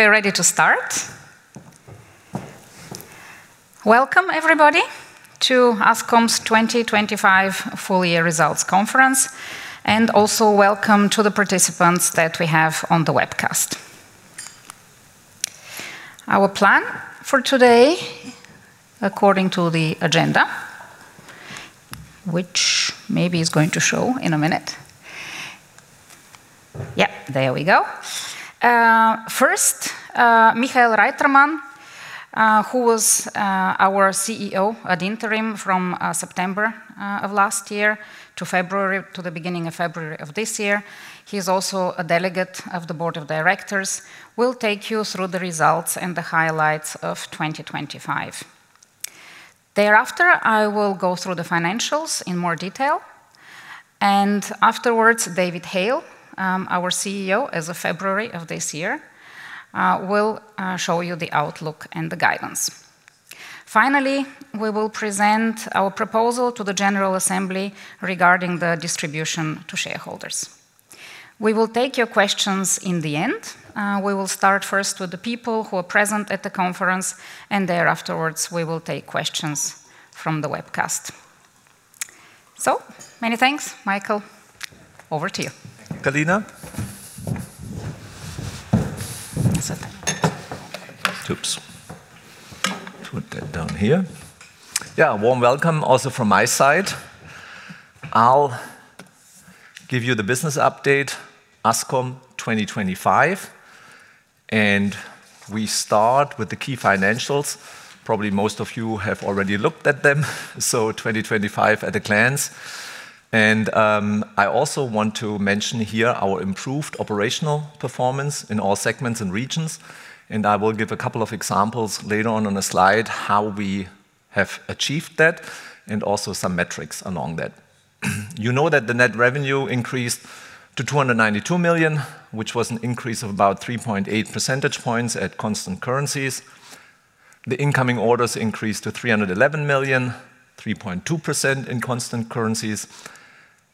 We're ready to start. Welcome everybody to Ascom's 2025 full year results conference, also welcome to the participants that we have on the webcast. Our plan for today, according to the agenda, which maybe is going to show in a minute. Yep, there we go. First, Michael Reitermann, who was our CEO at interim from September of last year to the beginning of February of this year, he is also a Delegate of the Board of Directors, will take you through the results and the highlights of 2025. Thereafter, I will go through the financials in more detail. Afterwards, David Hale, our CEO as of February of this year, will show you the outlook and the guidance. Finally, we will present our proposal to the general assembly regarding the distribution to shareholders. We will take your questions in the end. We will start first with the people who are present at the conference. There afterwards we will take questions from the webcast. Many thanks. Michael, over to you. Thank you, Kalina. Oops. Put that down here. Yeah, a warm welcome also from my side. I'll give you the business update, Ascom 2025, and we start with the key financials. Probably most of you have already looked at them, so 2025 at a glance. I also want to mention here our improved operational performance in all segments and regions, and I will give a couple of examples later on on a slide how we have achieved that, and also some metrics along that. You know that the net revenue increased to 292 million, which was an increase of about 3.8 percentage points at constant currencies. The incoming orders increased to 311 million, 3.2% in constant currencies.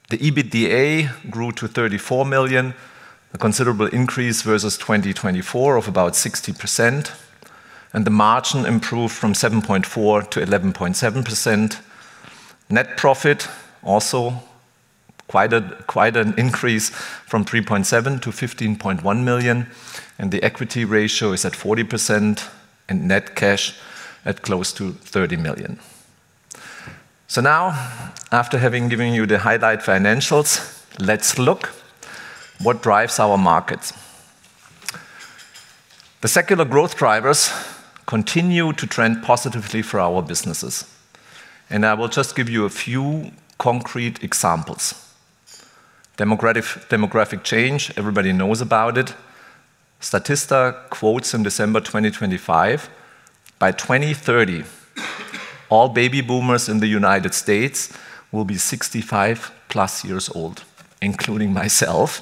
The EBITDA grew to 34 million, a considerable increase versus 2024 of about 60%. The margin improved from 7.4% to 11.7%. Net profit also quite an increase from 3.7 million to 15.1 million, and the equity ratio is at 40%, and net cash at close to 30 million. Now, after having given you the highlight financials, let's look what drives our markets. The secular growth drivers continue to trend positively for our businesses, and I will just give you a few concrete examples. Demographic change, everybody knows about it. Statista quotes in December 2025, "By 2030, all baby boomers in the United States will be 65+ years old," including myself.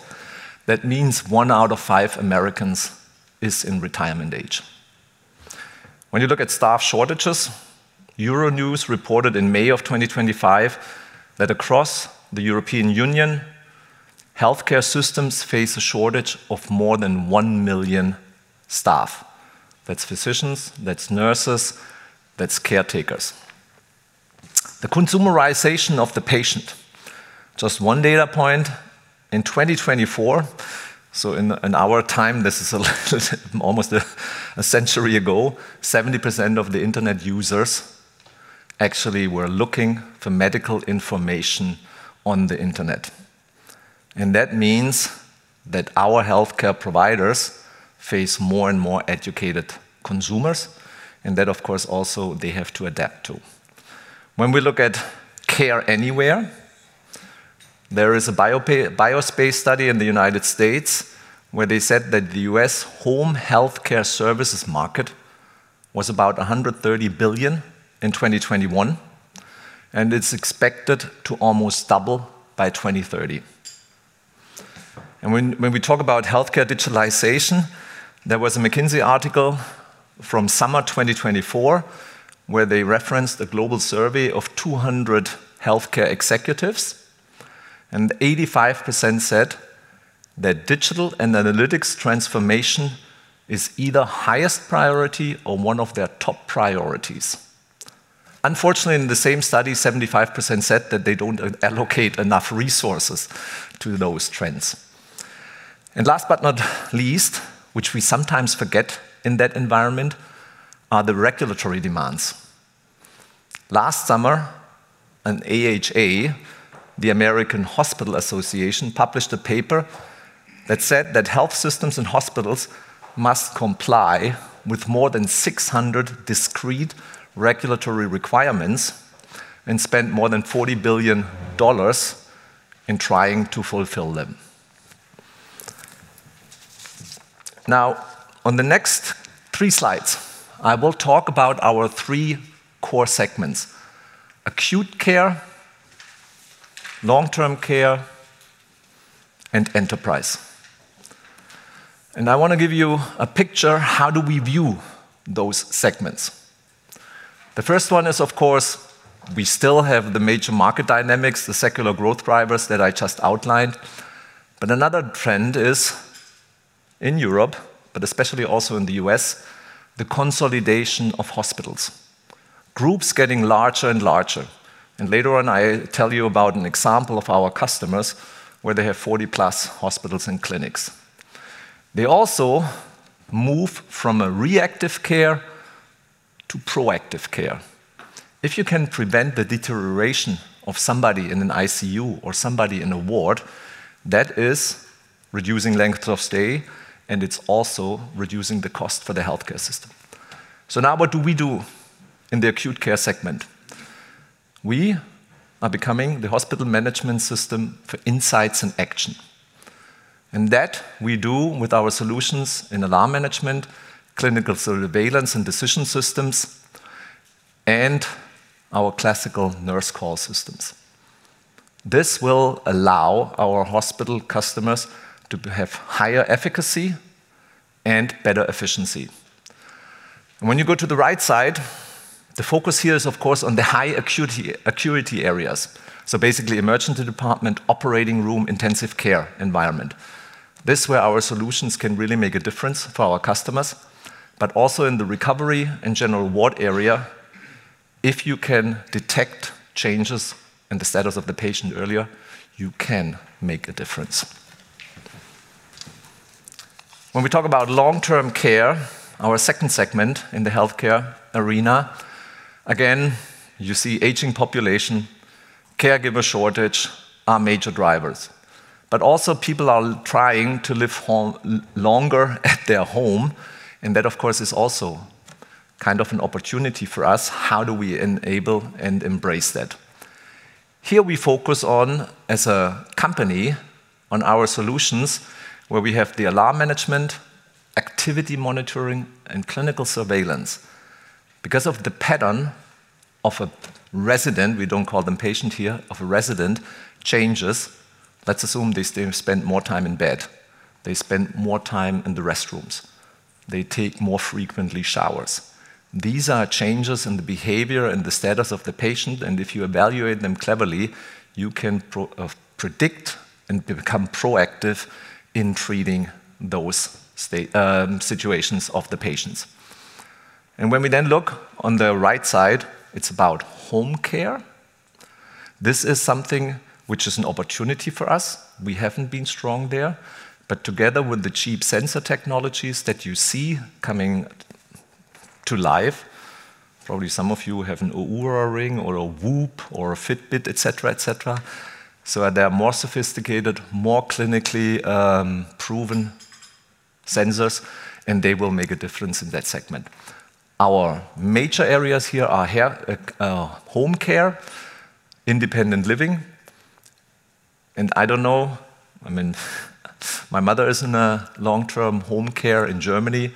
That means one out of five Americans is in retirement age. When you look at staff shortages, Euronews reported in May of 2025 that across the European Union, healthcare systems face a shortage of more than 1 million staff. That's physicians, that's nurses, that's caretakers. The consumerization of the patient, just one data point, in 2024, so in our time, this is almost a century ago, 70% of the internet users actually were looking for medical information on the internet. That means that our healthcare providers face more and more educated consumers, and that of course also they have to adapt to. When we look at care anywhere, there is a BioSpace study in the United States where they said that the U.S. home healthcare services market was about $130 billion in 2021, and it's expected to almost double by 2030. When we talk about healthcare digitalization, there was a McKinsey article from summer 2024 where they referenced a global survey of 200 healthcare executives, 85% said that digital and analytics transformation is either highest priority or one of their top priorities. Unfortunately, in the same study, 75% said that they don't allocate enough resources to those trends. Last but not least, which we sometimes forget in that environment, are the regulatory demands. Last summer, an AHA, the American Hospital Association, published a paper that said that health systems and hospitals must comply with more than 600 discrete regulatory requirements and spend more than $40 billion in trying to fulfill them. On the next three slides, I will talk about our three core segments: Acute Care, Long-Term Care, and Enterprise. I wanna give you a picture, how do we view those segments? The first one is, of course, we still have the major market dynamics, the secular growth drivers that I just outlined. Another trend is in Europe, but especially also in the U.S., the consolidation of hospitals. Groups getting larger and larger. Later on, I tell you about an example of our customers where they have 40+ hospitals and clinics. They also move from a reactive care to proactive care. If you can prevent the deterioration of somebody in an ICU or somebody in a ward, that is reducing length of stay, and it's also reducing the cost for the healthcare system. Now what do we do in the Acute Care segment? We are becoming the hospital management system for insights and action. That we do with our solutions in alarm management, clinical surveillance and decision systems, and our classical nurse call systems. This will allow our hospital customers to have higher efficacy and better efficiency. You go to the right side, the focus here is of course on the high acuity areas. Basically, emergency department, operating room, intensive care environment. This is where our solutions can really make a difference for our customers. Also in the recovery and general ward area, if you can detect changes in the status of the patient earlier, you can make a difference. We talk about Long-Term Care, our second segment in the healthcare arena, again, you see aging population, caregiver shortage are major drivers. Also people are trying to live longer at their home, and that of course, is also kind of an opportunity for us. How do we enable and embrace that? Here we focus on, as a company, on our solutions where we have the alarm management, activity monitoring, and clinical surveillance. Because of the pattern of a resident, we don't call them patient here, of a resident changes. Let's assume they still spend more time in bed. They spend more time in the restrooms. They take more frequently showers. These are changes in the behavior and the status of the patient, and if you evaluate them cleverly, you can predict and become proactive in treating those situations of the patients. When we then look on the right side, it's about home care. This is something which is an opportunity for us. We haven't been strong there, but together with the cheap sensor technologies that you see coming to life, probably some of you have an Oura Ring or a WHOOP or a Fitbit, et cetera, et cetera. There are more sophisticated, more clinically proven sensors, and they will make a difference in that segment. Our major areas here are home care, independent living, and I don't know, I mean, my mother is in a long-term home care in Germany,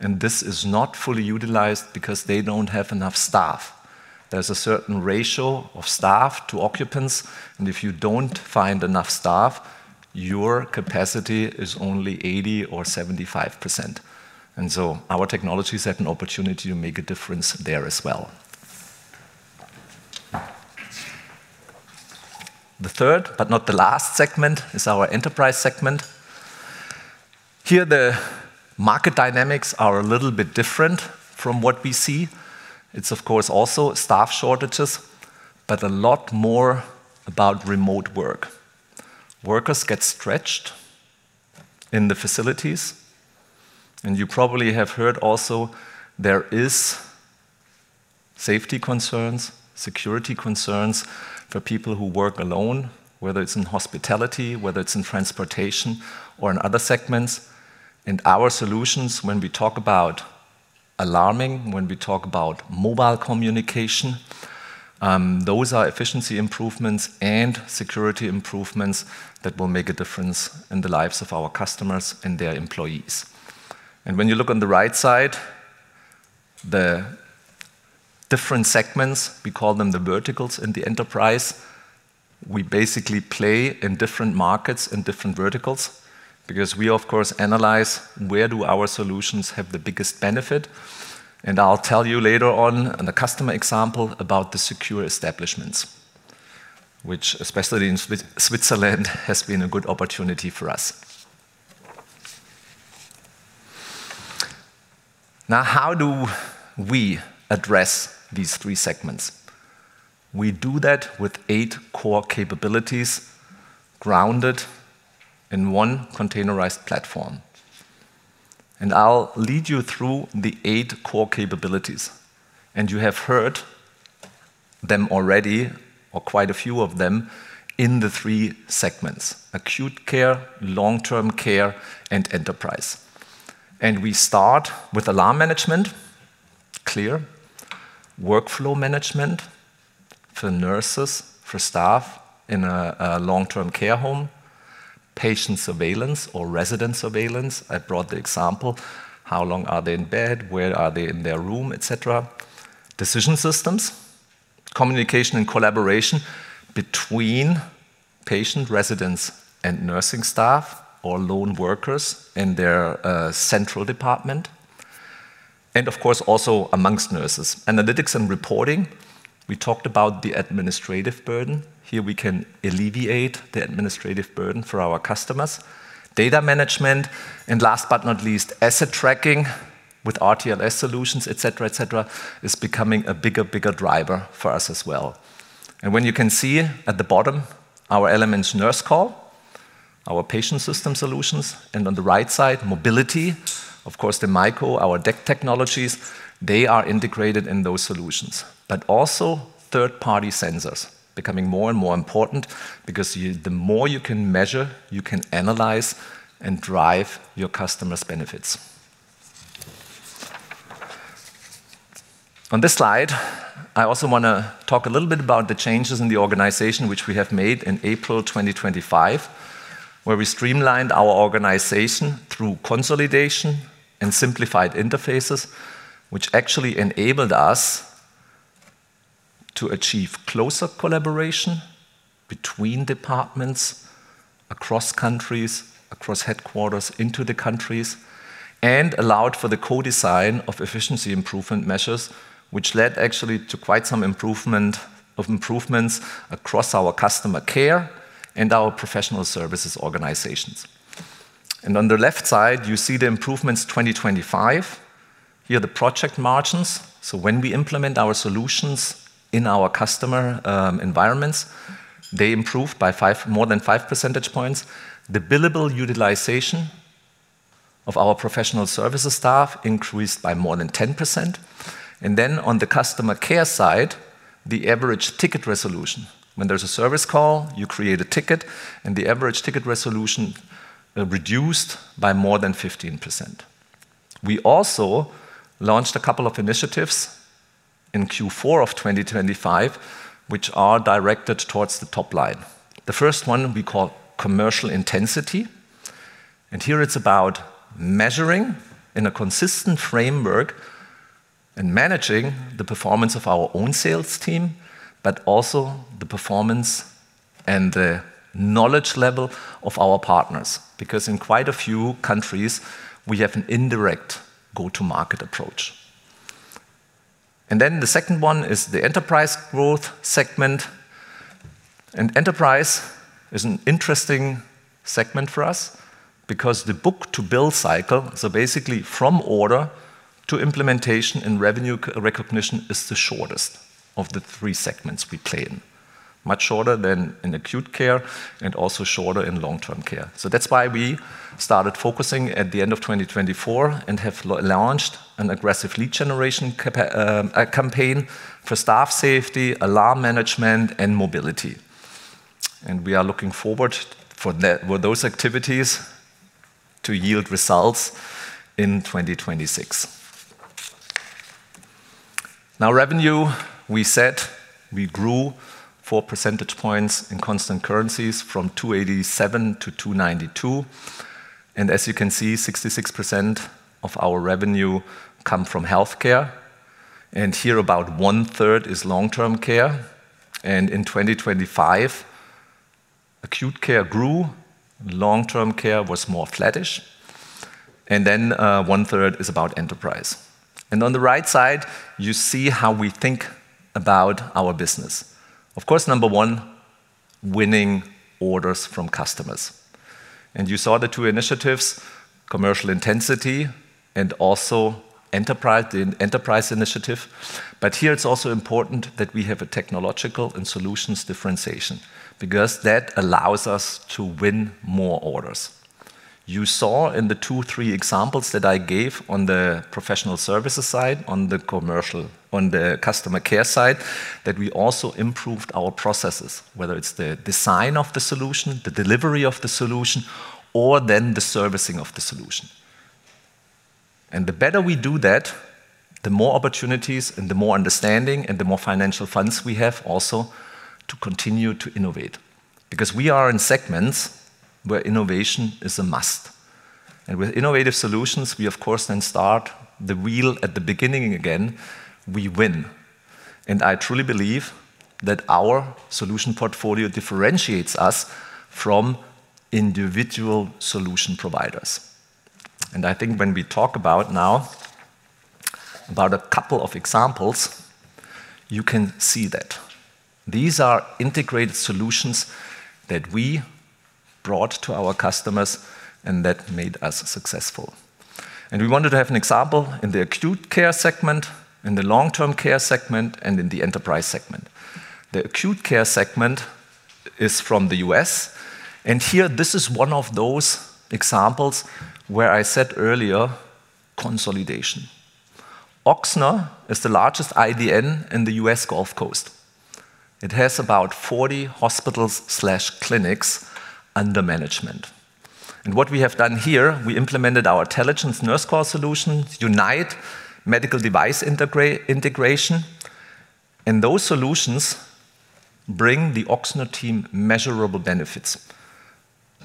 and this is not fully utilized because they don't have enough staff. There's a certain ratio of staff to occupants, and if you don't find enough staff, your capacity is only 80% or 75%. Our technologies have an opportunity to make a difference there as well. The third, but not the last segment is our Enterprise segment. Here, the market dynamics are a little bit different from what we see. It's of course also staff shortages, but a lot more about remote work. Workers get stretched in the facilities, and you probably have heard also there is safety concerns, security concerns for people who work alone, whether it's in hospitality, whether it's in transportation or in other segments. Our solutions, when we talk about alarming, when we talk about mobile communication, those are efficiency improvements and security improvements that will make a difference in the lives of our customers and their employees. When you look on the right side, the different segments, we call them the verticals in the Enterprise, we basically play in different markets and different verticals because we of course analyze where do our solutions have the biggest benefit. I'll tell you later on in a customer example about the secure establishments, which especially in Switzerland has been a good opportunity for us. How do we address these three segments? We do that with eight core capabilities grounded in 1 containerized platform. I'll lead you through the eight core capabilities. You have heard them already or quite a few of them in the three segments: Acute Care, Long-Term care, and Enterprise. We start with alarm management, clear. Workflow management for nurses, for staff in a long-term care home. Patient surveillance or resident surveillance. I brought the example, how long are they in bed? Where are they in their room, et cetera. Decision systems. Communication and collaboration between patient residents and nursing staff or lone workers in their central department, and of course also amongst nurses. Analytics and reporting, we talked about the administrative burden. Here we can alleviate the administrative burden for our customers. Data management, and last but not least, asset tracking with RTLS solutions, et cetera, et cetera, is becoming a bigger driver for us as well. When you can see at the bottom our elements nurse call, our patient system solutions, and on the right side, mobility, of course the Myco, our DECT technologies, they are integrated in those solutions. Also third-party sensors becoming more and more important because the more you can measure, you can analyze and drive your customers' benefits. On this slide, I also wanna talk a little bit about the changes in the organization which we have made in April 2025, where we streamlined our organization through consolidation and simplified interfaces, which actually enabled us to achieve closer collaboration between departments, across countries, across headquarters into the countries, and allowed for the co-design of efficiency improvement measures, which led actually to quite some improvement of improvements across our customer care and our professional services organizations. On the left side, you see the improvements 2025. Here are the project margins. When we implement our solutions in our customer environments, they improve by more than 5 percentage points. The billable utilization of our professional services staff increased by more than 10%. On the customer care side, the average ticket resolution, when there's a service call, you create a ticket, the average ticket resolution reduced by more than 15%. We also launched a couple of initiatives in Q4 of 2025, which are directed towards the top line. The first one we call commercial intensity, and here it's about measuring in a consistent framework and managing the performance of our own sales team, but also the performance and the knowledge level of our partners, because in quite a few countries, we have an indirect go-to-market approach. The second one is the Enterprise growth segment. Enterprise is an interesting segment for us because the book-to-bill cycle, so basically from order to implementation and revenue recognition, is the shortest of the three segments we play in, much shorter than in Acute Care and also shorter in Long-Term Care. That's why we started focusing at the end of 2024 and have launched an aggressive lead generation campaign for staff safety, alarm management, and mobility. We are looking forward with those activities to yield results in 2026. Revenue, we said we grew 4 percentage points in constant currencies from 287 to 292. As you can see, 66% of our revenue come from healthcare, and here about 1/3 is Long-Term care. In 2025, Acute Care grew, Long-Term Care was more flattish, then 1/3 is about Enterprise. On the right side, you see how we think about our business. Of course, number one, winning orders from customers. You saw the two initiatives, commercial intensity and also enterprise, the enterprise initiative. Here it's also important that we have a technological and solutions differentiation because that allows us to win more orders. You saw in the two, three examples that I gave on the professional services side, on the commercial, on the customer care side, that we also improved our processes, whether it's the design of the solution, the delivery of the solution, or then the servicing of the solution. The better we do that, the more opportunities and the more understanding and the more financial funds we have also to continue to innovate because we are in segments where innovation is a must. With innovative solutions, we of course then start the wheel at the beginning again, we win. I truly believe that our solution portfolio differentiates us from individual solution providers. I think when we talk about now about a couple of examples, you can see that. These are integrated solutions that we brought to our customers and that made us successful. We wanted to have an example in the Acute Care segment, in the Long-Term Care segment, and in the Enterprise segment. The Acute Care segment is from the U.S., here this is one of those examples where I said earlier consolidation. Ochsner is the largest IDN in the U.S. Gulf Coast. It has about 40 hospitals/clinics under management. What we have done here, we implemented our Telligence Nurse Call solution, Unite Medical Device Integration, and those solutions bring the Ochsner team measurable benefits.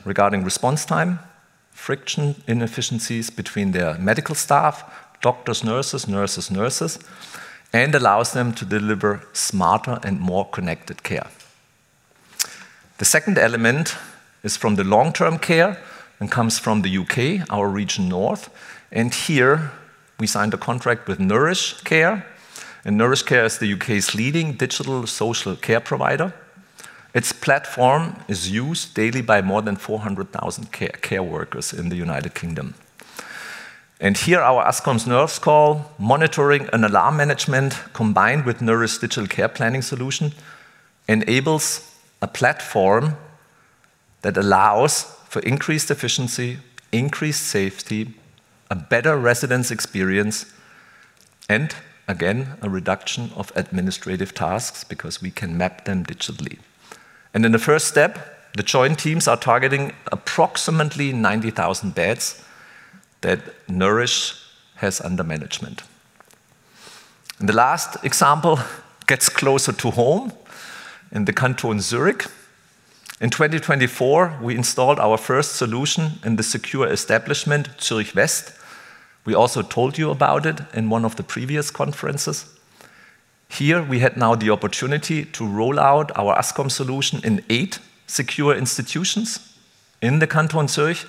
Regarding response time, friction inefficiencies between their medical staff, doctors, nurses, and allows them to deliver smarter and more connected care. The second element is from the Long-Term Care and comes from the U.K., our Region North. Here we signed a contract with Nourish Care, and Nourish Care is the U.K.'s leading digital social care provider. Its platform is used daily by more than 400,000 care workers in the United Kingdom. Here our Ascom's Nurse Call monitoring and alarm management combined with Nourish digital care planning solution enables a platform that allows for increased efficiency, increased safety, a better residence experience, and again, a reduction of administrative tasks because we can map them digitally. In the first step, the joint teams are targeting approximately 90,000 beds that Nourish has under management. The last example gets closer to home in the canton Zurich. In 2024, we installed our first solution in the secure establishment, Zurich West. We also told you about it in one of the previous conferences. Here we had now the opportunity to roll out our Ascom solution in eight secure institutions in the canton Zurich.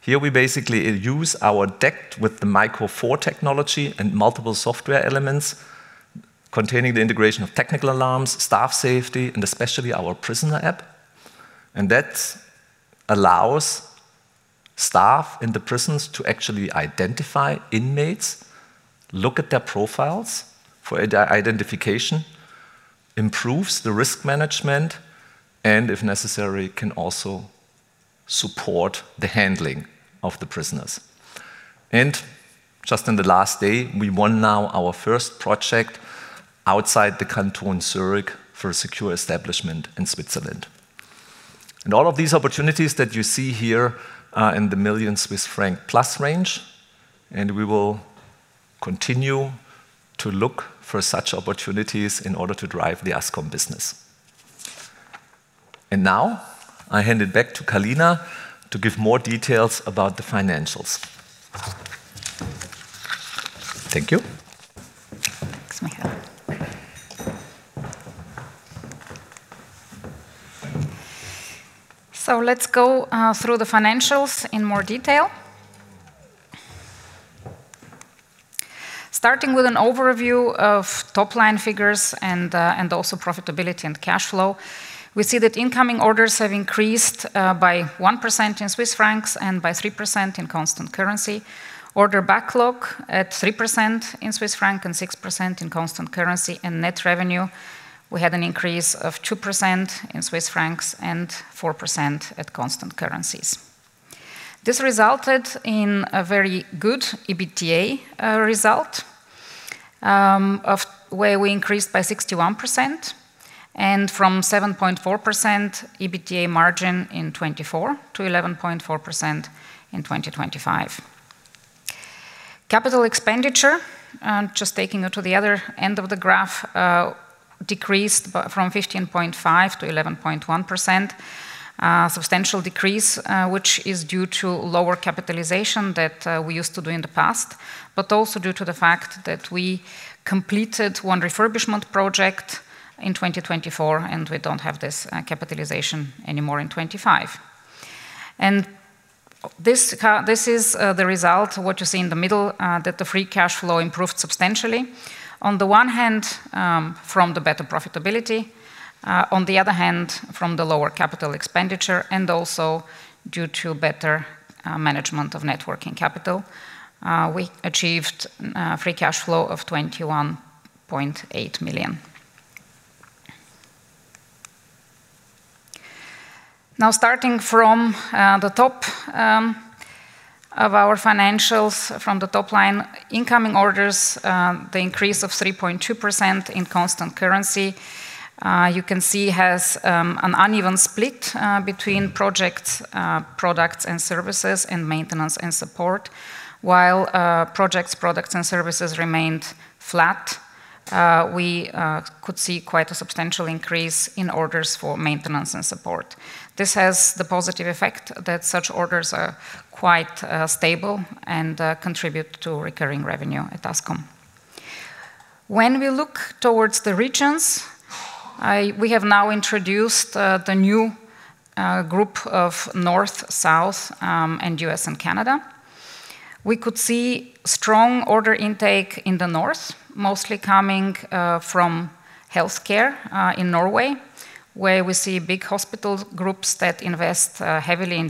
Here we basically use our DECT with the Myco 4 technology and multiple software elements containing the integration of technical alarms, staff safety, and especially our Prisoner App. That allows staff in the prisons to actually identify inmates, look at their profiles for identification, improves the risk management, and if necessary, can also support the handling of the prisoners. Just in the last day, we won now our first project outside the canton Zurich for a secure establishment in Switzerland. All of these opportunities that you see here are in the 1+ million Swiss franc range, and we will continue to look for such opportunities in order to drive the Ascom business. Now I hand it back to Kalina to give more details about the financials. Thank you. Thanks, Michael. Let's go through the financials in more detail. Starting with an overview of top-line figures and also profitability and cash flow. We see that incoming orders have increased by 1% in Swiss francs and by 3% in constant currency. Order backlog at 3% in Swiss franc and 6% in constant currency. Net revenue, we had an increase of 2% in Swiss francs and 4% at constant currencies. This resulted in a very good EBITDA result where we increased by 61% and from 7.4% EBITDA margin in 2024 to 11.4% in 2025. Capital expenditure, just taking it to the other end of the graph, decreased from 15.5% to 11.1%. Substantial decrease, which is due to lower capitalization that we used to do in the past, but also due to the fact that we completed one refurbishment project in 2024, and we don't have this capitalization anymore in 2025. This is the result, what you see in the middle, that the free cash flow improved substantially. On the one hand, from the better profitability, on the other hand, from the lower capital expenditure, and also due to better management of net working capital. We achieved free cash flow of 21.8 million. Starting from the top of our financials, from the top line, incoming orders, the increase of 3.2% in constant currency, you can see has an uneven split between projects, products and services and maintenance and support. Projects, products and services remained flat, we could see quite a substantial increase in orders for maintenance and support. This has the positive effect that such orders are quite stable and contribute to recurring revenue at Ascom. We look towards the regions, we have now introduced the new group of North, South, and U.S. and Canada. We could see strong order intake in the North, mostly coming from healthcare in Norway, where we see big hospitals groups that invest heavily in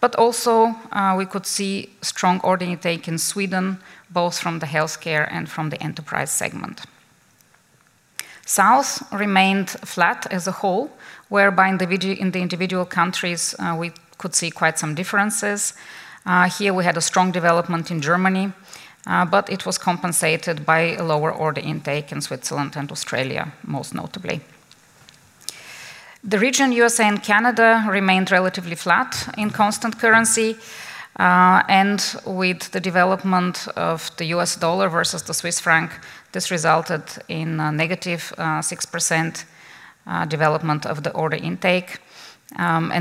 digitalization. Also, we could see strong order intake in Sweden, both from the healthcare and from the Enterprise segment. South remained flat as a whole, whereby in the individual countries, we could see quite some differences. Here we had a strong development in Germany, but it was compensated by a lower order intake in Switzerland and Australia, most notably. The region USA and Canada remained relatively flat in constant currency, and with the development of the U.S. dollar versus the Swiss franc, this resulted in a -6% development of the order intake.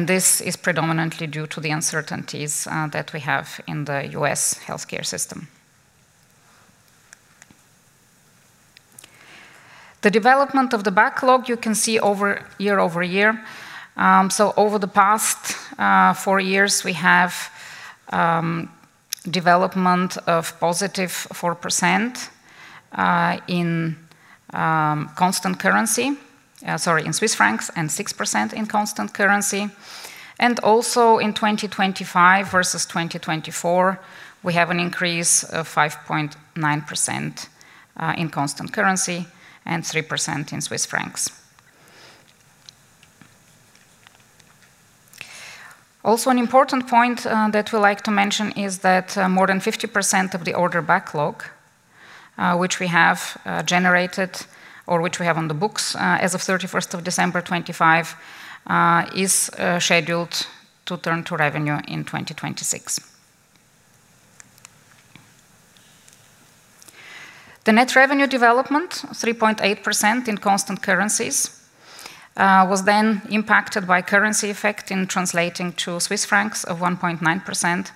This is predominantly due to the uncertainties that we have in the U.S. healthcare system. The development of the backlog you can see over year-over-year. Over the past four years, we have development of +4% in constant currency. Sorry, in Swiss francs, 6% in constant currency. In 2025 versus 2024, we have an increase of 5.9% in constant currency and 3% in Swiss francs. Also an important point that we like to mention is that more than 50% of the order backlog which we have generated or which we have on the books as of 31st of December 2025 is scheduled to turn to revenue in 2026. The net revenue development, 3.8% in constant currencies, was then impacted by currency effect in translating to Swiss francs of 1.9%,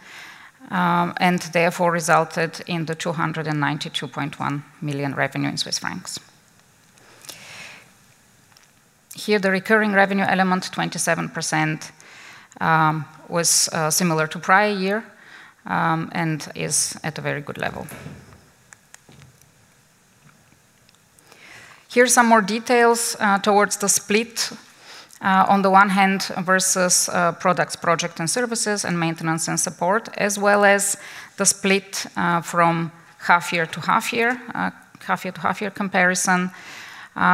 and therefore resulted in the 292.1 million revenue. Here the recurring revenue element, 27%, was similar to prior year and is at a very good level. Here are some more details towards the split on the one hand versus products, project and services, and maintenance and support, as well as the split from half year to half year, half year to half year comparison.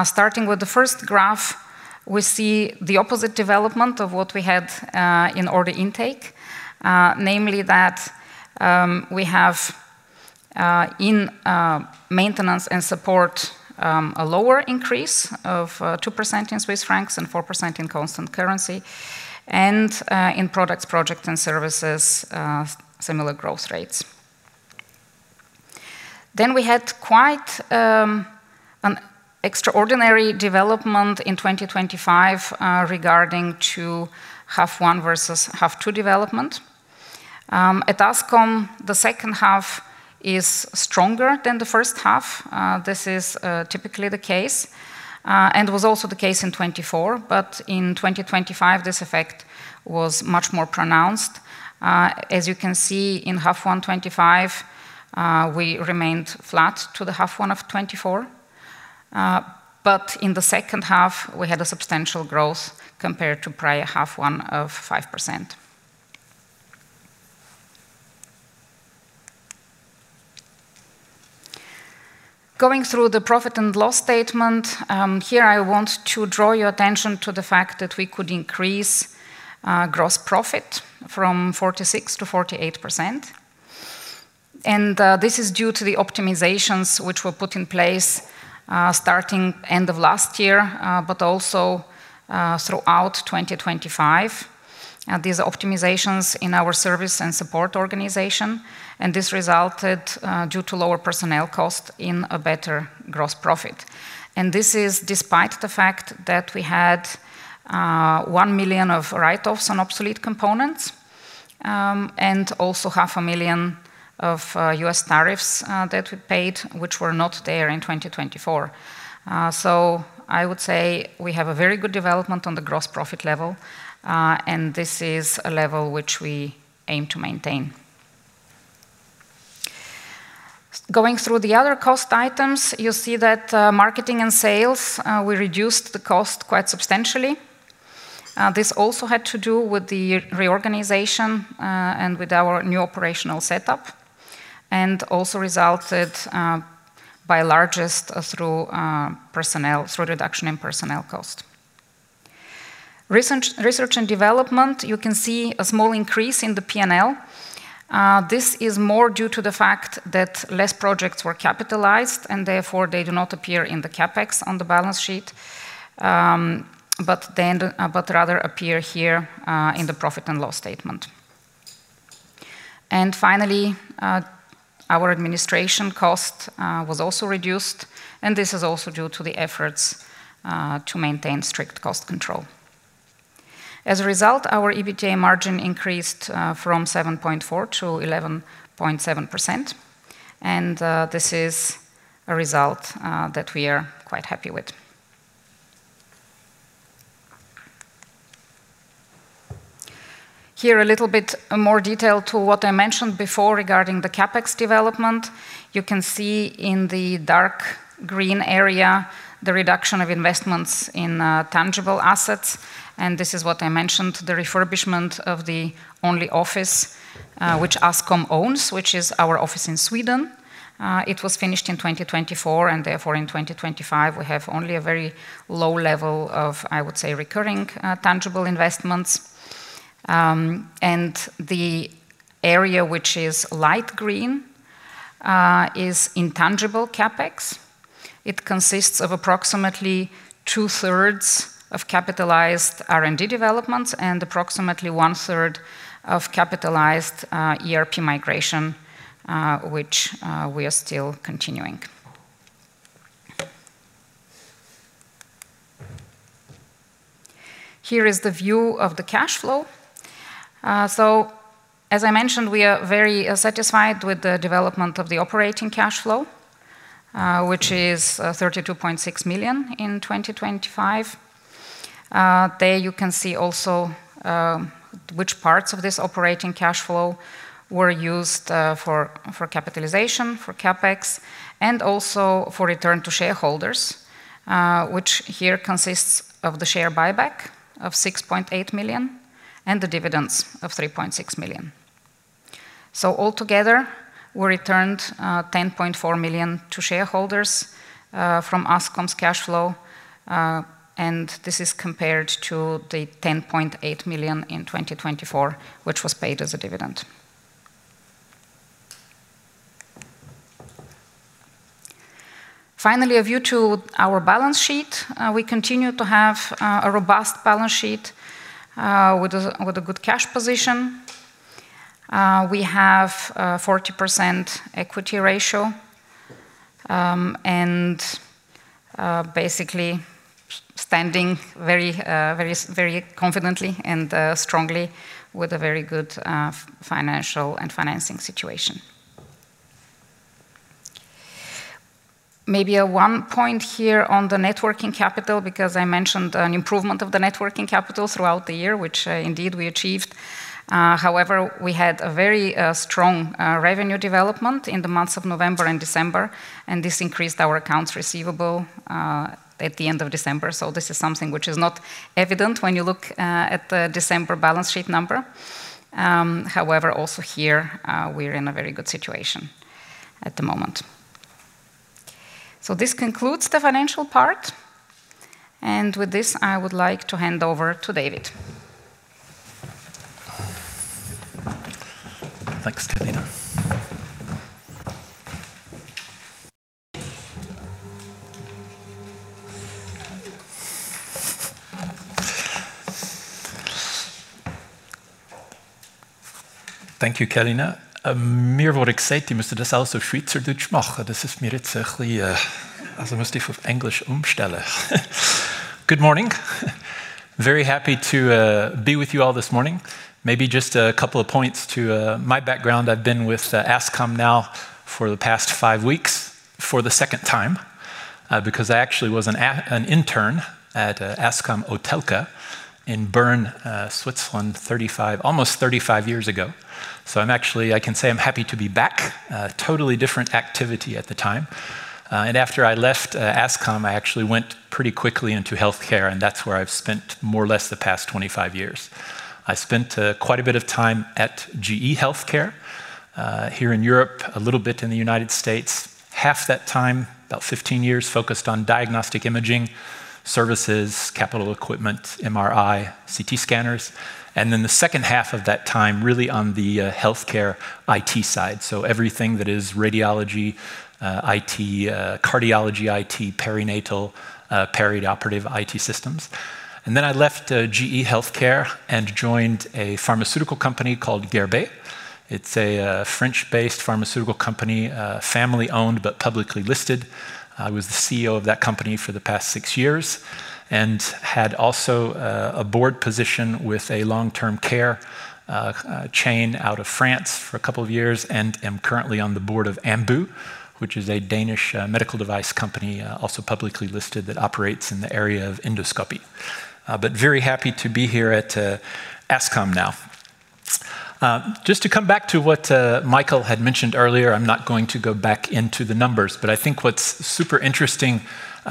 Starting with the first graph, we see the opposite development of what we had in order intake, namely that we have in maintenance and support a lower increase of 2% in Swiss francs and 4% in constant currency, and in products, project and services similar growth rates. We had quite an extraordinary development in 2025 regarding to half one versus half two development. At Ascom, the second half is stronger than the first half. This is typically the case and was also the case in 2024. In 2025, this effect was much more pronounced. As you can see in half one 2025, we remained flat to the half one of 2024. In the second half, we had a substantial growth compared to prior half one of 5%. Going through the profit and loss statement, here I want to draw your attention to the fact that we could increase gross profit from 46%-48%. This is due to the optimizations which were put in place starting end of last year, but also throughout 2025. These optimizations in our service and support organization. This resulted due to lower personnel cost in a better gross profit. This is despite the fact that we had 1 million of write-offs on obsolete components, and also 500,000 of U.S. tariffs that we paid which were not there in 2024. I would say we have a very good development on the gross profit level. This is a level which we aim to maintain. Going through the other cost items, you see that marketing and sales we reduced the cost quite substantially. This also had to do with the reorganization and with our new operational setup. Also resulted by largest through reduction in personnel cost. Research and development, you can see a small increase in the P&L. This is more due to the fact that less projects were capitalized and therefore they do not appear in the CapEx on the balance sheet, but rather appear here in the profit and loss statement. Finally, our administration cost was also reduced, and this is also due to the efforts to maintain strict cost control. As a result, our EBITDA margin increased from 7.4% to 11.7%, and this is a result that we are quite happy with. Here a little bit more detail to what I mentioned before regarding the CapEx development. You can see in the dark green area the reduction of investments in tangible assets. This is what I mentioned, the refurbishment of the only office which Ascom owns, which is our office in Sweden. It was finished in 2024. Therefore in 2025, we have only a very low level of, I would say, recurring, tangible investments. The area which is light green, is intangible CapEx. It consists of approximately 2/3 of capitalized R&D developments and approximately 1/3 of capitalized ERP migration, which we are still continuing. Here is the view of the cash flow. As I mentioned, we are very satisfied with the development of the operating cash flow, which is 32.6 million in 2025. There you can see also which parts of this operating cash flow were used for capitalization, for CapEx, and also for return to shareholders, which here consists of the share buyback of 6.8 million and the dividends of 3.6 million. Altogether, we returned 10.4 million to shareholders from Ascom's cash flow, and this is compared to the 10.8 million in 2024, which was paid as a dividend. Finally, a view to our balance sheet. We continue to have a robust balance sheet with a good cash position. We have a 40% equity ratio and basically standing very confidently and strongly with a very good financial and financing situation. Maybe, one point here on the net working capital, because I mentioned an improvement of the net working capital throughout the year, which indeed we achieved. However, we had a very strong revenue development in the months of November and December, and this increased our accounts receivable at the end of December. This is something which is not evident when you look at the December balance sheet number. However, also here, we're in a very good situation at the moment. This concludes the financial part, and with this, I would like to hand over to David. Thanks, Kalina. Thank you, Kalina. Mir wurde gesagt, ich müsste das alles auf Schwyzerdütsch mache. Das ist mir jetzt ein chli. Also müsste ich auf Englisch umstelle. Good morning. Very happy to be with you all this morning. Maybe just a couple of points to my background. I've been with Ascom now for the past five weeks for the second time, because I actually was an intern at Ascom Autelca in Bern, Switzerland, almost 35 years ago. I can say I'm happy to be back. Totally different activity at the time. After I left Ascom, I actually went pretty quickly into healthcare, and that's where I've spent more or less the past 25 years. I spent quite a bit of time at GE HealthCare here in Europe, a little bit in the United States. Half that time, about 15 years, focused on diagnostic imaging services, capital equipment, MRI, CT scanners, then the second half of that time, really on the healthcare IT side. Everything that is radiology IT, cardiology IT, perinatal, perioperative IT systems. I left GE HealthCare and joined a pharmaceutical company called Guerbet. It's a French-based pharmaceutical company, family-owned but publicly listed. I was the CEO of that company for the past six years and had also a board position with a long-term care chain out of France for two years and am currently on the board of Ambu, which is a Danish medical device company also publicly listed that operates in the area of endoscopy. Very happy to be here at Ascom now. Just to come back to what Michael had mentioned earlier, I'm not going to go back into the numbers, but I think what's super interesting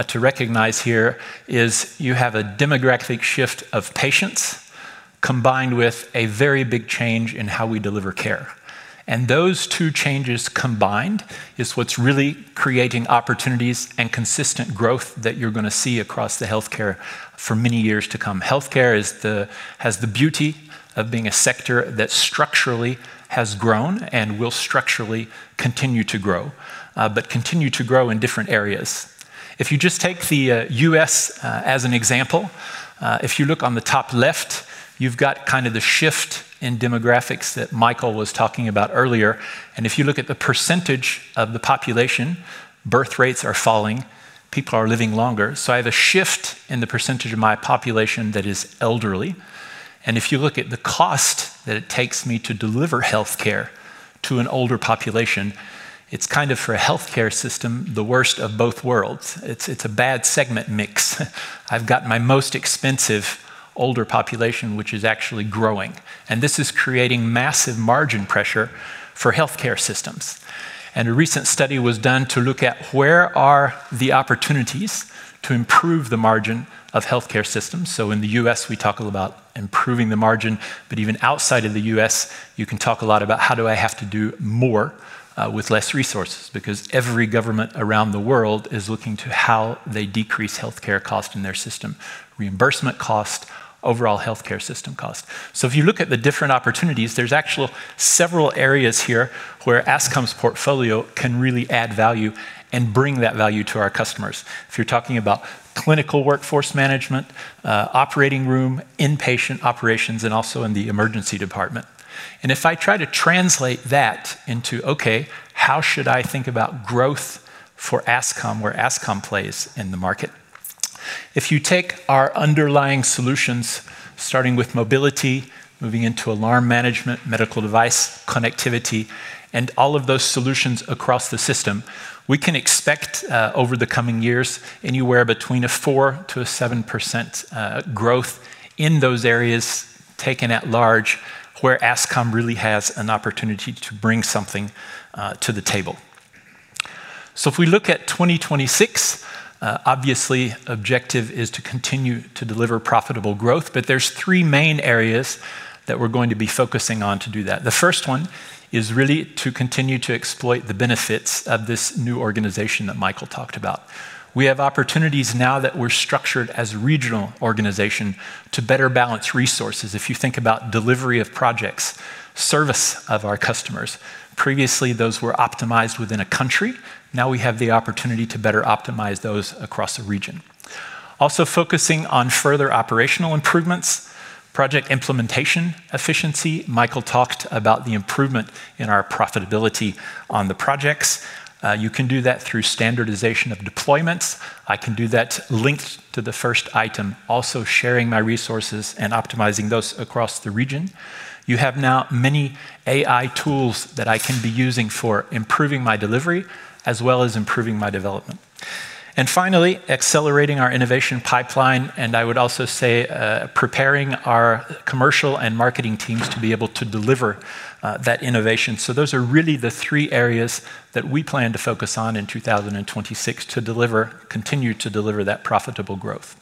to recognize here is you have a demographic shift of patients combined with a very big change in how we deliver care. Those two changes combined is what's really creating opportunities and consistent growth that you're gonna see across the healthcare for many years to come. Healthcare has the beauty of being a sector that structurally has grown and will structurally continue to grow, but continue to grow in different areas. If you just take the U.S. as an example, if you look on the top left, you've got kind of the shift in demographics that Michael was talking about earlier. If you look at the percentage of the population, birth rates are falling, people are living longer. I have a shift in the percentage of my population that is elderly. If you look at the cost that it takes me to deliver healthcare to an older population, it's kind of for a healthcare system, the worst of both worlds. It's a bad segment mix. I've got my most expensive older population, which is actually growing, and this is creating massive margin pressure for healthcare systems. A recent study was done to look at where are the opportunities to improve the margin of healthcare systems. In the U.S., we talk a lot about improving the margin, but even outside of the U.S., you can talk a lot about how do I have to do more with less resources because every government around the world is looking to how they decrease healthcare costs in their system. Reimbursement costs. Overall healthcare system costs. If you look at the different opportunities, there's actually several areas here where Ascom's portfolio can really add value and bring that value to our customers. If you're talking about clinical workforce management, operating room, inpatient operations, and also in the emergency department. If I try to translate that into, okay, how should I think about growth for Ascom, where Ascom plays in the market? If you take our underlying solutions, starting with mobility, moving into alarm management, medical device connectivity, and all of those solutions across the system, we can expect, over the coming years, anywhere between a 4%-7% growth in those areas taken at large, where Ascom really has an opportunity to bring something to the table. If we look at 2026, obviously objective is to continue to deliver profitable growth, but there's three main areas that we're going to be focusing on to do that. The first one is really to continue to exploit the benefits of this new organization that Michael talked about. We have opportunities now that we're structured as regional organization to better balance resources. If you think about delivery of projects, service of our customers, previously those were optimized within a country. Now we have the opportunity to better optimize those across a region. Focusing on further operational improvements, project implementation efficiency. Michael talked about the improvement in our profitability on the projects. You can do that through standardization of deployments. I can do that linked to the first item, also sharing my resources and optimizing those across the region. You have now many AI tools that I can be using for improving my delivery as well as improving my development. Finally, accelerating our innovation pipeline, and I would also say, preparing our commercial and marketing teams to be able to deliver that innovation. Those are really the three areas that we plan to focus on in 2026 to continue to deliver that profitable growth.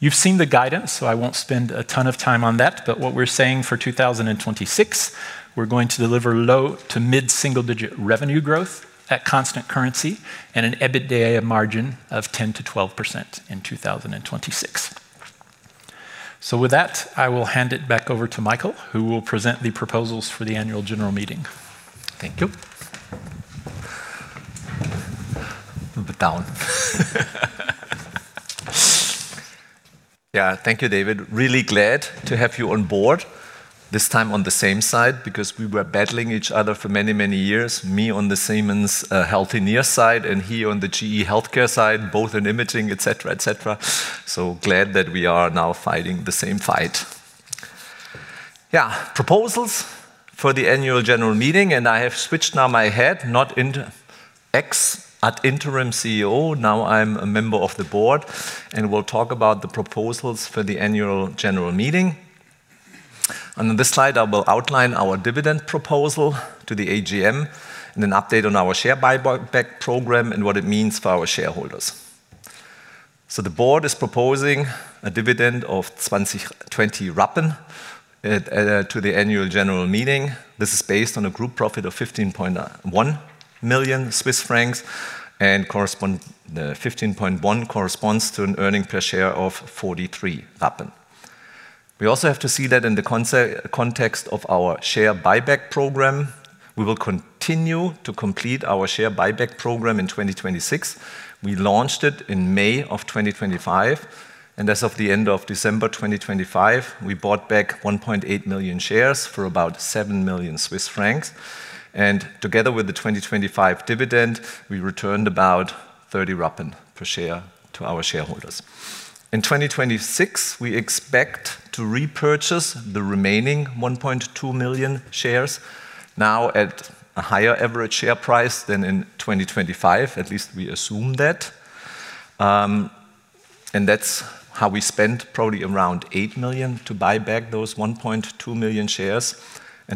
You've seen the guidance, I won't spend a ton of time on that. What we're saying for 2026, we're going to deliver low to mid-single digit revenue growth at constant currency and an EBITDA margin of 10%-12% in 2026. With that, I will hand it back over to Michael, who will present the proposals for the annual general meeting. Thank you. A bit down. Thank you, David. Really glad to have you on board this time on the same side because we were battling each other for many, many years. Me on the Siemens Healthineers side and he on the GE HealthCare side, both in imaging, et cetera, et cetera. Glad that we are now fighting the same fight. Proposals for the annual general meeting, and I have switched now my hat, not ex at interim CEO. Now I'm a member of the board, and we'll talk about the proposals for the annual general meeting. On this slide, I will outline our dividend proposal to the AGM and an update on our share buyback program and what it means for our shareholders. The board is proposing a dividend of 0.20 at, to the Annual General Meeting. This is based on a group profit of 15.1 million Swiss francs and corresponds to an earning per share of 0.43. We also have to see that in the context of our share buyback program. We will continue to complete our share buyback program in 2026. We launched it in May 2025, and as of the end of December 2025, we bought back 1.8 million shares for about 7 million Swiss francs. Together with the 2025 dividend, we returned about 0.30 per share to our shareholders. In 2026, we expect to repurchase the remaining 1.2 million shares now at a higher average share price than in 2025. At least we assume that. That's how we spend probably around 8 million to buy back those 1.2 million shares.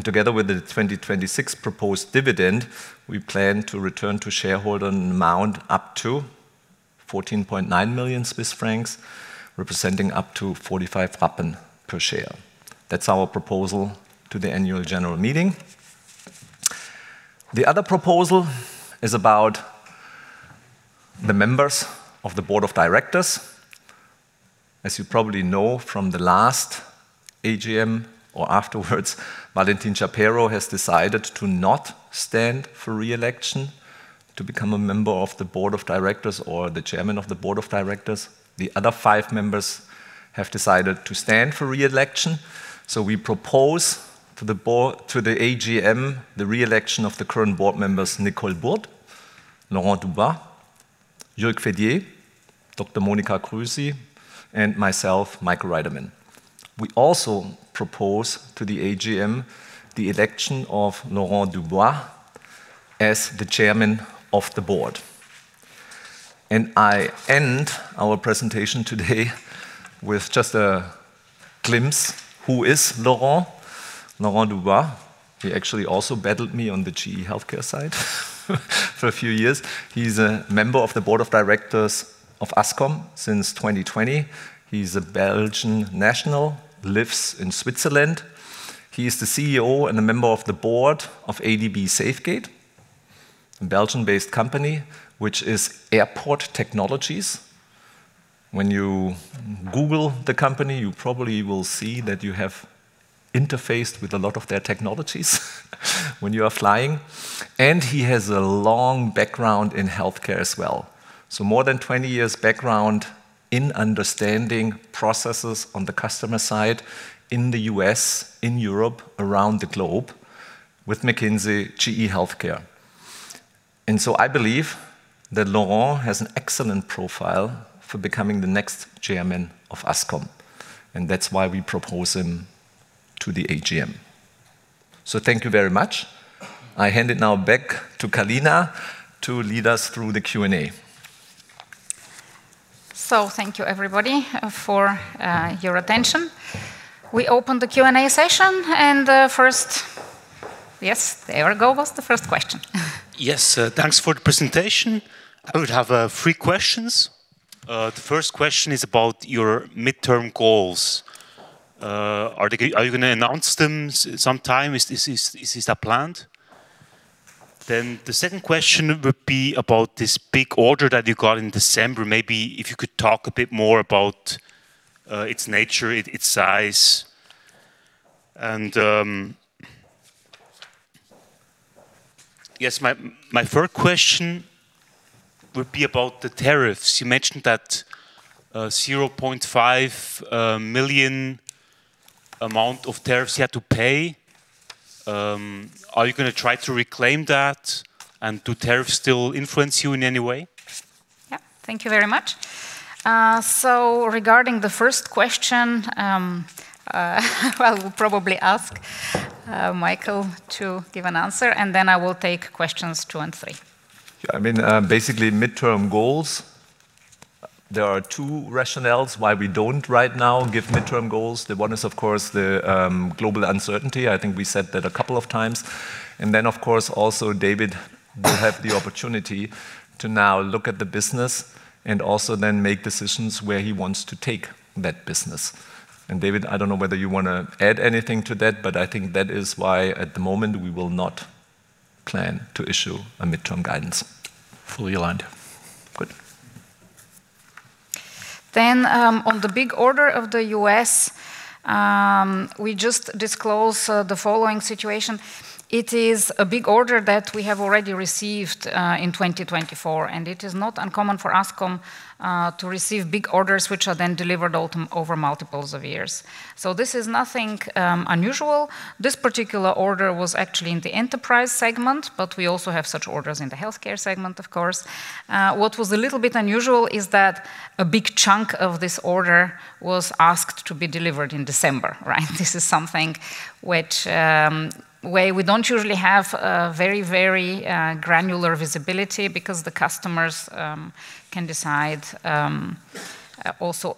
Together with the 2026 proposed dividend, we plan to return to shareholder an amount up to 14.9 million Swiss francs, representing up to 0.45 per share. That's our proposal to the Annual General Meeting. The other proposal is about the members of the Board of Directors. As you probably know from the last AGM or afterwards, Valentin Chapero has decided to not stand for re-election to become a member of the Board of Directors or the Chairman of the Board of Directors. The other five members have decided to stand for re-election. We propose to the AGM, the re-election of the current board members, Nicole Burth, Laurent Dubois, Jürg Fédier, Dr. Monika Krüsi, and myself, Michael Reitermann. We also propose to the AGM the election of Laurent Dubois as the chairman of the board. I end our presentation today with just a glimpse who is Laurent. Laurent Dubois, he actually also battled me on the GE HealthCare side for a few years. He is a member of the Board of Directors of Ascom since 2020. He is a Belgian national, lives in Switzerland. He is the CEO and a member of the board of ADB SAFEGATE. Belgian-based company, which is Airport Technologies. When you Google the company, you probably will see that you have interfaced with a lot of their technologies when you are flying. He has a long background in healthcare as well. More than 20 years background in understanding processes on the customer side in the U.S., in Europe, around the globe with McKinsey, GE HealthCare. I believe that Laurent has an excellent profile for becoming the next chairman of Ascom, and that's why we propose him to the AGM. Thank you very much. I hand it now back to Kalina to lead us through the Q&A. Thank you everybody for your attention. We open the Q&A session and first. Yes, there we go. What's the first question? Yes. Thanks for the presentation. I would have three questions. The first question is about your midterm goals. Are you gonna announce them sometime? Is that planned? The second question would be about this big order that you got in December. Maybe if you could talk a bit more about its nature, its size and. Yes. My third question would be about the tariffs. You mentioned that 0.5 million amount of tariffs you had to pay. Are you gonna try to reclaim that, and do tariffs still influence you in any way? Yeah. Thank you very much. Regarding the first question, well, we'll probably ask Michael to give an answer, and then I will take questions two and three. I mean, basically midterm goals, there are two rationales why we don't right now give midterm goals. The one is, of course, the global uncertainty. I think we said that a couple of times. Then, of course, also David will have the opportunity to now look at the business and also then make decisions where he wants to take that business. David, I don't know whether you wanna add anything to that, but I think that is why at the moment we will not plan to issue a midterm guidance. Fully aligned. Good. On the big order of the U.S., we just disclose the following situation. It is a big order that we have already received in 2024, it is not uncommon for Ascom to receive big orders which are then delivered over multiples of years. This is nothing unusual. This particular order was actually in the Enterprise segment, we also have such orders in the healthcare segment, of course. What was a little bit unusual is that a big chunk of this order was asked to be delivered in December, right? This is something which where we don't usually have a very granular visibility because the customers can decide also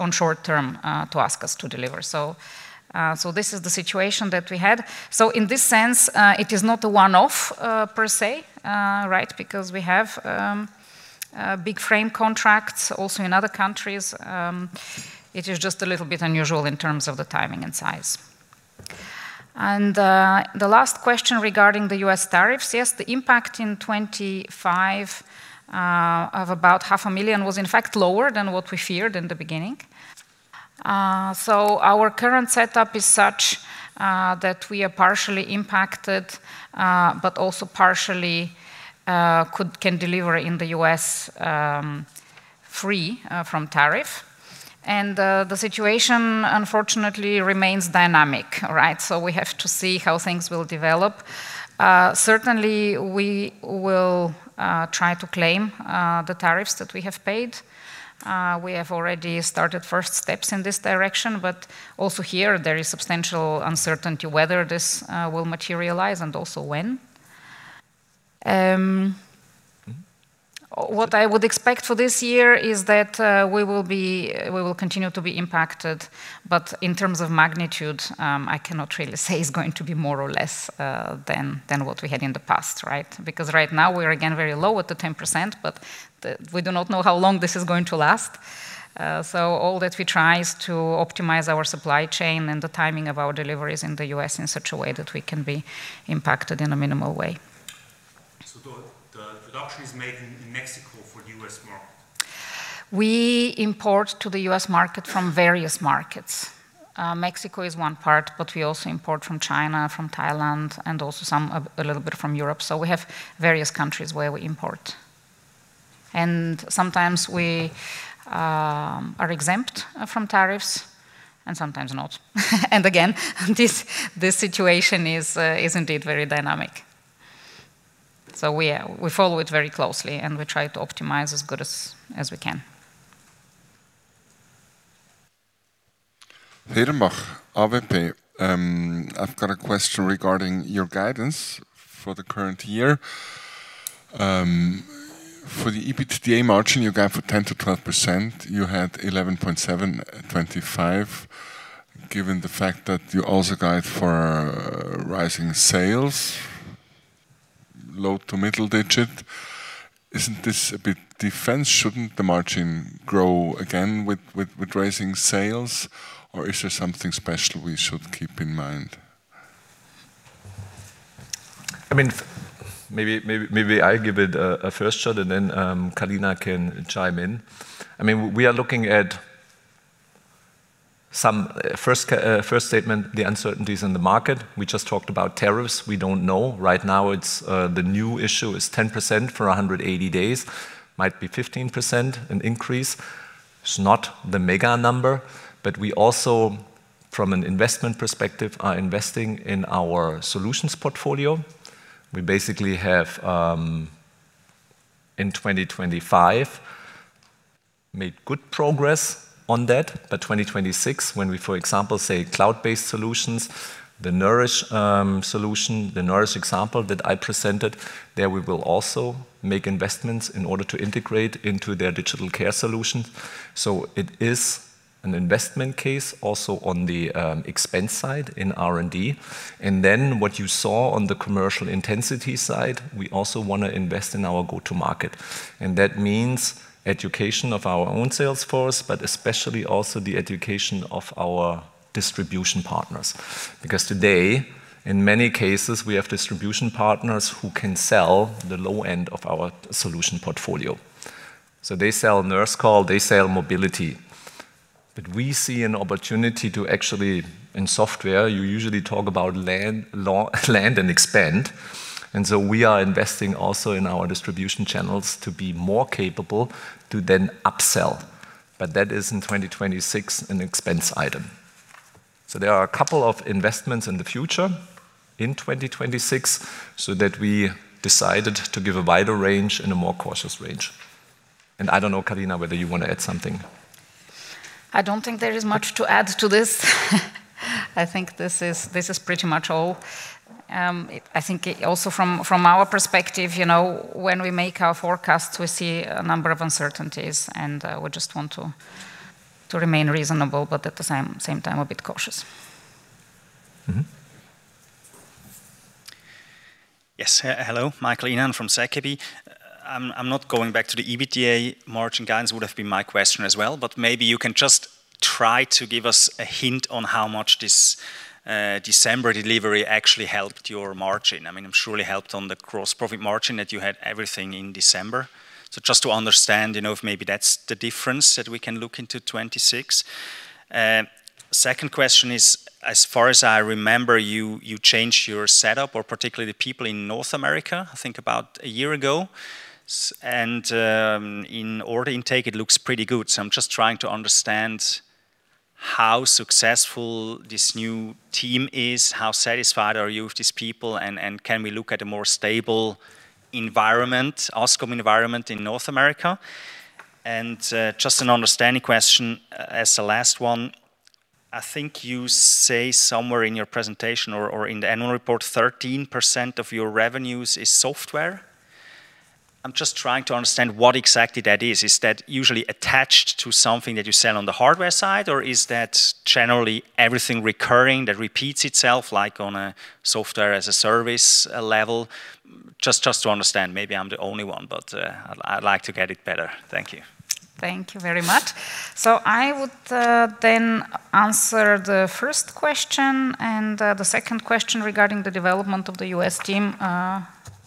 on short term to ask us to deliver. This is the situation that we had. In this sense, it is not a one-off per se, right? Because we have big frame contracts also in other countries. It is just a little bit unusual in terms of the timing and size. The last question regarding the U.S. tariffs. Yes, the impact in 2025 of about 500,000 was in fact lower than what we feared in the beginning. Our current setup is such that we are partially impacted, but also partially can deliver in the U.S. free from tariff. The situation unfortunately remains dynamic, right? We have to see how things will develop. Certainly we will try to claim the tariffs that we have paid. We have already started first steps in this direction, but also here there is substantial uncertainty whether this will materialize and also when. What I would expect for this year is that we will continue to be impacted, but in terms of magnitude, I cannot really say it's going to be more or less than what we had in the past, right? Right now we are again very low at the 10%, but we do not know how long this is going to last. All that we try is to optimize our supply chain and the timing of our deliveries in the U.S. in such a way that we can be impacted in a minimal way. The production is made in Mexico for the U.S. market? We import to the U.S. market from various markets. Mexico is one part, we also import from China, from Thailand, and also a little bit from Europe. We have various countries where we import. Sometimes we are exempt from tariffs and sometimes not. Again, this situation is indeed very dynamic. We follow it very closely, and we try to optimize as good as we can. Herrenbach, AWP. I've got a question regarding your guidance for the current year. For the EBITDA margin you guide for 10%-12%. You had 11.7% at 2025. Given the fact that you also guide for rising sales, low to middle digit. Isn't this a bit defense? Shouldn't the margin grow again with raising sales, or is there something special we should keep in mind? I mean, maybe I give it a first shot and then Kalina can chime in. I mean, we are looking at some first statement, the uncertainties in the market. We just talked about tariffs. We don't know. Right now it's the new issue is 10% for 180 days. Might be 15%, an increase. It's not the mega number, we also, from an investment perspective, are investing in our solutions portfolio. We basically have in 2025, made good progress on that. 2026, when we, for example, say cloud-based solutions, the Nurse solution, the Nurse example that I presented, there we will also make investments in order to integrate into their digital care solution. It is an investment case also on the expense side in R&D. What you saw on the commercial intensity side, we also wanna invest in our go-to-market. That means education of our own sales force, but especially also the education of our distribution partners. Today, in many cases, we have distribution partners who can sell the low end of our solution portfolio. They sell nurse call, they sell mobility. We see an opportunity to actually, in software, you usually talk about land, law, land and expand. We are investing also in our distribution channels to be more capable to then upsell. That is in 2026 an expense item. There are a couple of investments in the future, in 2026, so that we decided to give a wider range and a more cautious range. I don't know, Kalina, whether you wanna add something. I don't think there is much to add to this. I think this is pretty much all. I think also from our perspective, you know, when we make our forecasts, we see a number of uncertainties. We just want to remain reasonable, but at the same time, a bit cautious. Mm-hmm. Yes. Hello. Michael Inauen from ZKB. I'm not going back to the EBITDA margin guidance, would have been my question as well, but maybe you can just try to give us a hint on how much this December delivery actually helped your margin. I mean, it surely helped on the gross profit margin that you had everything in December. Just to understand, you know, if maybe that's the difference that we can look into 2026. Second question is, as far as I remember, you changed your setup or particularly the people in North America, I think about a year year ago. And in order intake, it looks pretty good. I'm just trying to understand how successful this new team is, how satisfied are you with these people, and can we look at a more stable environment, Ascom environment in North America? Just an understanding question as the last one. I think you say somewhere in your presentation or in the annual report, 13% of your revenues is software. I'm just trying to understand what exactly that is. Is that usually attached to something that you sell on the hardware side, or is that generally everything recurring that repeats itself like on a software-as-a-service level? Just to understand. Maybe I'm the only one, but I'd like to get it better. Thank you. Thank you very much. I would then answer the first question and the second question regarding the development of the U.S. team,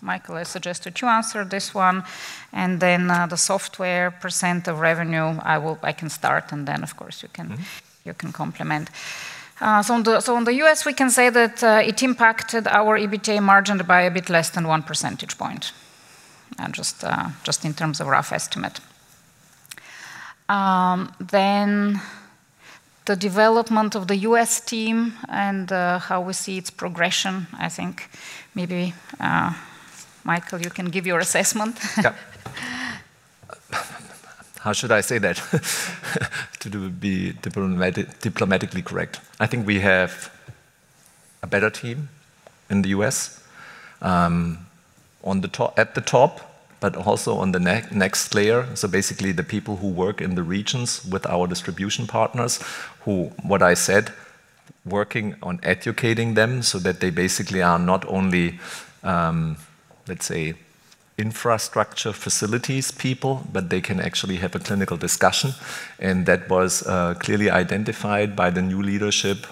Michael, I suggested you answer this one. Then the software percent of revenue, I can start, and then of course you can, you can complement. On the U.S., we can say that it impacted our EBITDA margin by a bit less than one percentage point. Just in terms of rough estimate. The development of the U.S. team and how we see its progression, I think maybe Michael, you can give your assessment. How should I say that to be diplomatically correct? I think we have a better team in the U.S. at the top, but also on the next layer. Basically the people who work in the regions with our distribution partners, who, what I said, working on educating them so that they basically are not only, let's say, infrastructure facilities people, but they can actually have a clinical discussion. That was clearly identified by the new leadership,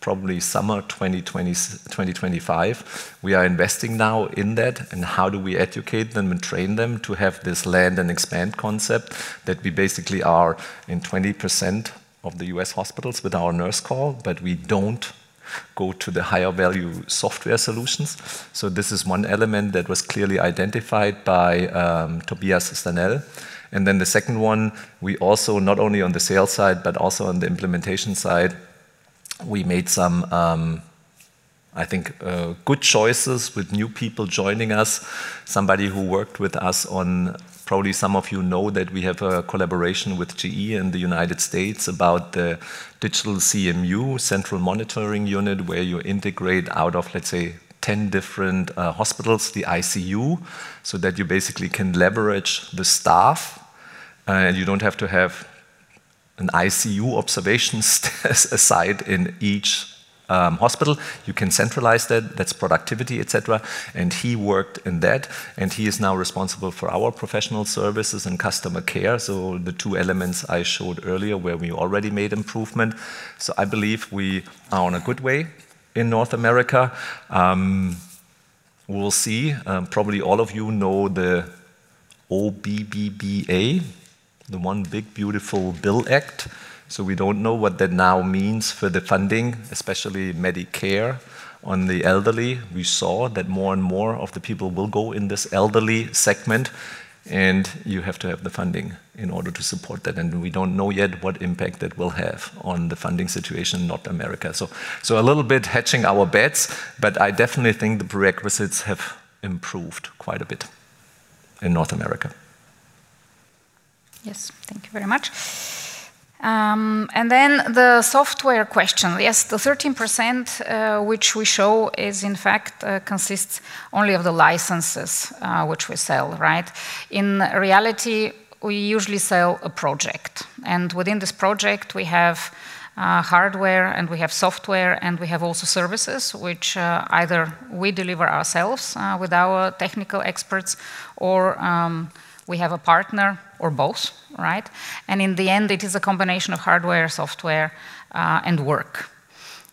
probably summer 2025. We are investing now in that and how do we educate them and train them to have this land and expand concept that we basically are in 20% of the U.S. hospitals with our nurse call, but we don't go to the higher value software solutions. This is one element that was clearly identified by Tobias Stanelle. The second one, we also, not only on the sales side, but also on the implementation side, we made some, I think, good choices with new people joining us. Somebody who worked with us on, probably some of you know that we have a collaboration with GE in the United States about the digital CMU, central monitoring unit, where you integrate out of, let's say, 10 different hospitals, the ICU, so that you basically can leverage the staff. You don't have to have an ICU observation aside in each hospital. You can centralize that. That's productivity, et cetera, and he worked in that, and he is now responsible for our professional services and customer care, so the two elements I showed earlier where we already made improvement. I believe we are on a good way in North America. We'll see. Probably all of you know the OBBBA, the One Big Beautiful Bill Act, we don't know what that now means for the funding, especially Medicare on the elderly. We saw that more and more of the people will go in this elderly segment, and you have to have the funding in order to support that, and we don't know yet what impact that will have on the funding situation in North America. A little bit hedging our bets, but I definitely think the prerequisites have improved quite a bit in North America. Yes. Thank you very much. Then the software question. Yes, the 13%, which we show is in fact, consists only of the licenses, which we sell, right? In reality, we usually sell a project, and within this project, we have hardware, and we have software, and we have also services, which either we deliver ourselves with our technical experts or we have a partner or both, right? In the end, it is a combination of hardware, software, and work.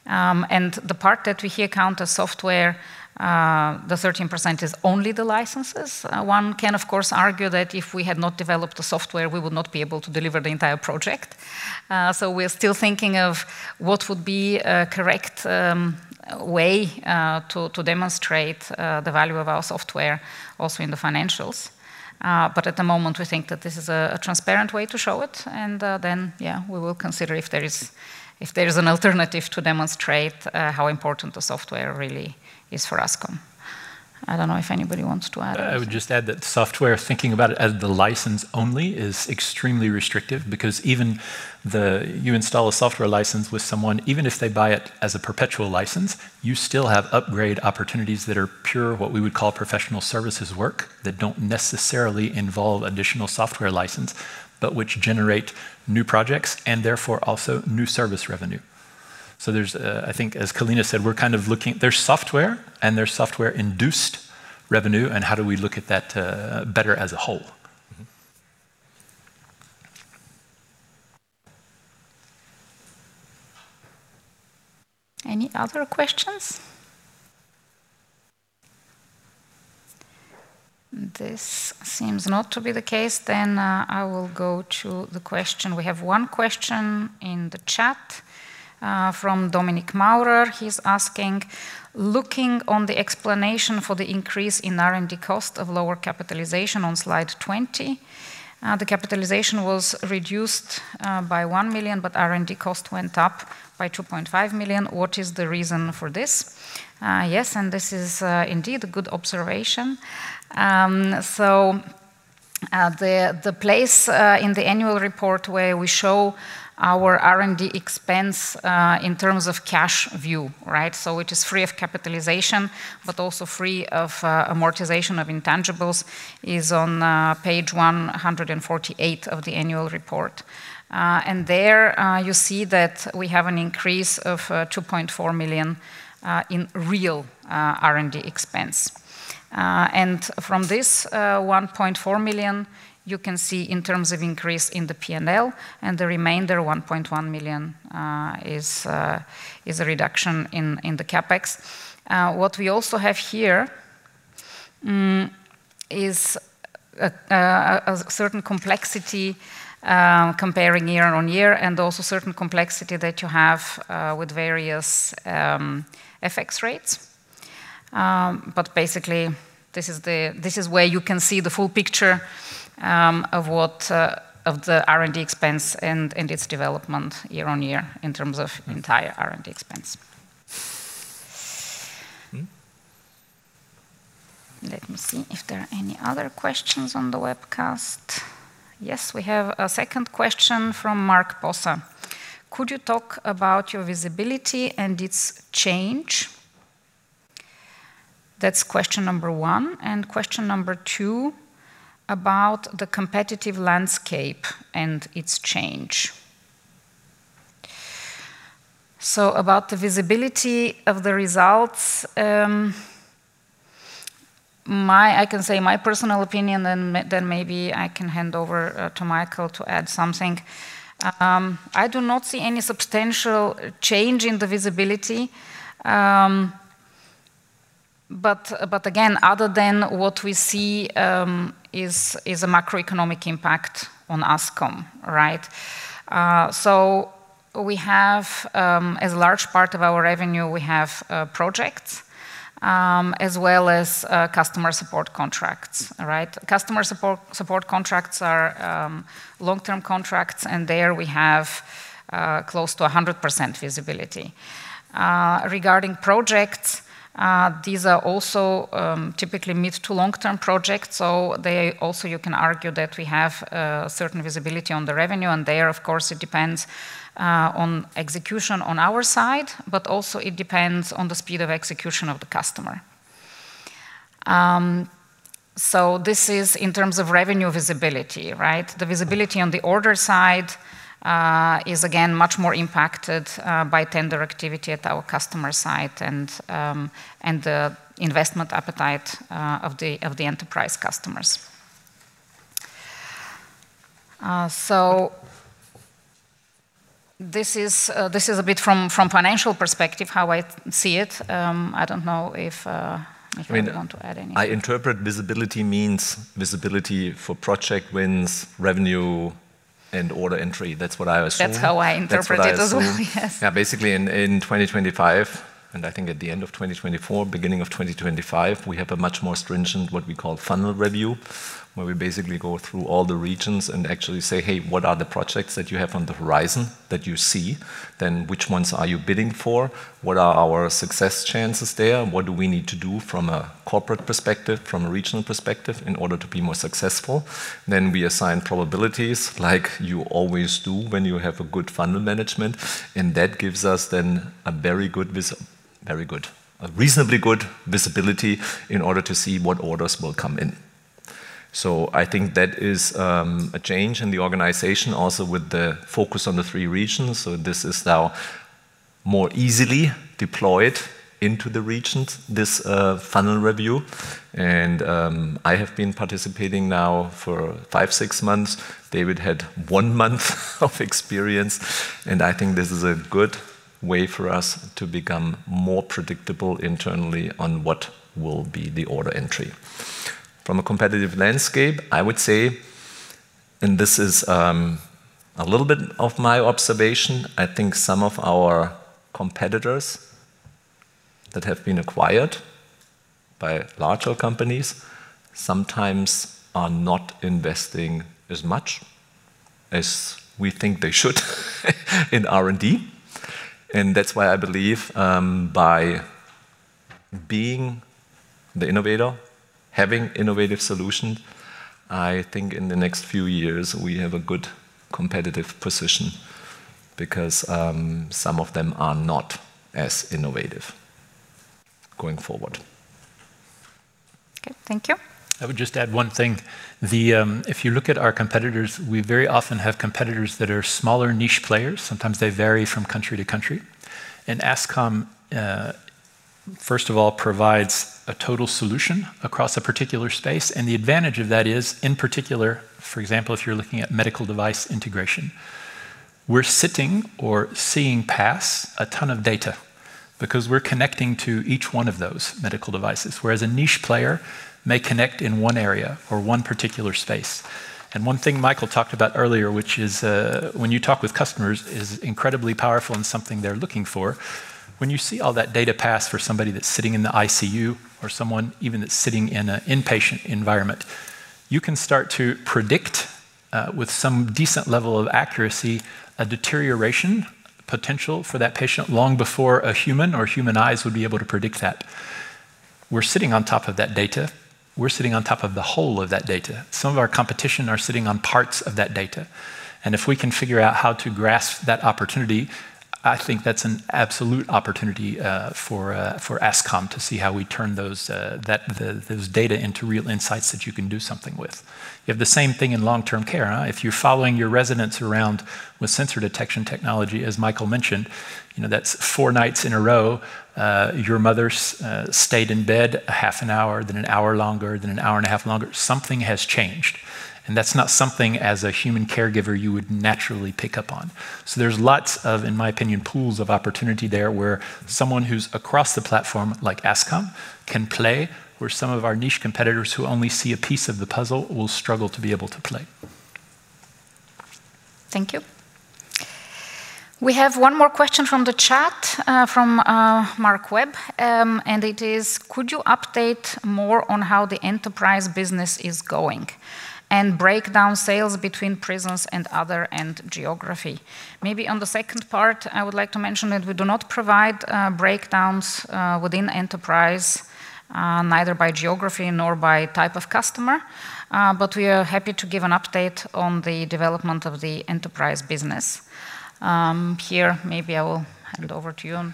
The part that we here count as software, the 13% is only the licenses. One can of course argue that if we had not developed the software, we would not be able to deliver the entire project. We're still thinking of what would be a correct way to demonstrate the value of our software also in the financials. At the moment, we think that this is a transparent way to show it, and yeah, we will consider if there is an alternative to demonstrate how important the software really is for Ascom. I don't know if anybody wants to add anything. I would just add that software, thinking about it as the license only is extremely restrictive because You install a software license with someone, even if they buy it as a perpetual license, you still have upgrade opportunities that are pure, what we would call professional services work, that don't necessarily involve additional software license, but which generate new projects and therefore also new service revenue. I think as Kalina said, There's software, and there's software-induced revenue, and how do we look at that better as a whole? Any other questions? This seems not to be the case. I will go to the question. We have one question in the chat from Dominik Maurer. He's asking: Looking on the explanation for the increase in R&D cost of lower capitalization on slide 20, the capitalization was reduced by 1 million, but R&D cost went up by 2.5 million. What is the reason for this? Yes, this is indeed a good observation. The place in the annual report where we show our R&D expense in terms of cash view, right? It is free of capitalization but also free of amortization of intangibles, is on page 148 of the annual report. There, you see that we have an increase of 2.4 million in real R&D expense. From this, 1.4 million, you can see in terms of increase in the P&L and the remainder 1.1 million is a reduction in the CapEx. What we also have here is a certain complexity comparing year-on-year and also certain complexity that you have with various FX rates. Basically this is where you can see the full picture of what of the R&D expense and its development year-on-year in terms of entire R&D expense. Mm-hmm. Let me see if there are any other questions on the webcast. Yes, we have a second question from Mark Bossa. Could you talk about your visibility and its change? That's question number one, and question number two, about the competitive landscape and its change. About the visibility of the results, I can say my personal opinion and then maybe I can hand over to Michael to add something. I do not see any substantial change in the visibility, but again, other than what we see, is a macroeconomic impact on Ascom, right? we have, as a large part of our revenue, we have projects, as well as customer support contracts, right? Customer support contracts are long-term contracts, and there we have close to 100% visibility. Regarding projects, these are also typically mid to long-term projects, they also, you can argue that we have certain visibility on the revenue, and there, of course, it depends on execution on our side, but also it depends on the speed of execution of the customer. This is in terms of revenue visibility, right? The visibility on the order side is again much more impacted by tender activity at our customer site and the investment appetite of the Enterprise customers. This is a bit from financial perspective how I see it. I don't know if Michael want to add anything. I mean, I interpret visibility means visibility for project wins, revenue, and order entry. That's what I assume. That's how I interpret it as well. That's what I assume. Basically in 2025, I think at the end of 2024, beginning of 2025, we have a much more stringent what we call funnel review, where we basically go through all the regions and actually say, "Hey, what are the projects that you have on the horizon that you see? Which ones are you bidding for? What are our success chances there? What do we need to do from a corporate perspective, from a regional perspective, in order to be more successful?" We assign probabilities like you always do when you have a good funnel management, that gives us then a reasonably good visibility in order to see what orders will come in. I think that is a change in the organization also with the focus on the three regions. This is now more easily deployed into the regions, this funnel review. I have been participating now for five, six months. David had one month of experience, and I think this is a good way for us to become more predictable internally on what will be the order entry. From a competitive landscape, I would say, and this is a little bit of my observation, I think some of our competitors that have been acquired by larger companies sometimes are not investing as much as we think they should in R&D. That's why I believe, by being the innovator, having innovative solution, I think in the next few years we have a good competitive position because some of them are not as innovative going forward. Okay. Thank you. I would just add one thing. The, if you look at our competitors, we very often have competitors that are smaller niche players. Sometimes they vary from country to country. Ascom, first of all provides a total solution across a particular space, and the advantage of that is, in particular, for example, if you're looking at medical device integration, we're sitting or seeing pass a ton of data because we're connecting to each one of those medical devices. Whereas a niche player may connect in one area or one particular space. One thing Michael talked about earlier, which is, when you talk with customers, is incredibly powerful and something they're looking for. When you see all that data pass for somebody that's sitting in the ICU or someone even that's sitting in a inpatient environment, you can start to predict with some decent level of accuracy, a deterioration potential for that patient long before a human or human eyes would be able to predict that. We're sitting on top of that data. We're sitting on top of the whole of that data. Some of our competition are sitting on parts of that data. If we can figure out how to grasp that opportunity, I think that's an absolute opportunity for Ascom to see how we turn those data into real insights that you can do something with. You have the same thing in Long-Term Care, huh? If you're following your residents around with sensor detection technology, as Michael mentioned, you know, that's four nights in a row, your mother's stayed in bed a half an hour, then an hour longer, then an hour and a half longer. Something has changed, and that's not something as a human caregiver you would naturally pick up on. There's lots of, in my opinion, pools of opportunity there where someone who's across the platform, like Ascom, can play, where some of our niche competitors who only see a piece of the puzzle will struggle to be able to play. Thank you. We have one more question from the chat, from Mark Webb. It is, could you update more on how the Enterprise business is going and break down sales between prisons and other end geography? Maybe on the second part, I would like to mention that we do not provide breakdowns within Enterprise, neither by geography nor by type of customer. We are happy to give an update on the development of the Enterprise business. Here maybe I will hand over to you.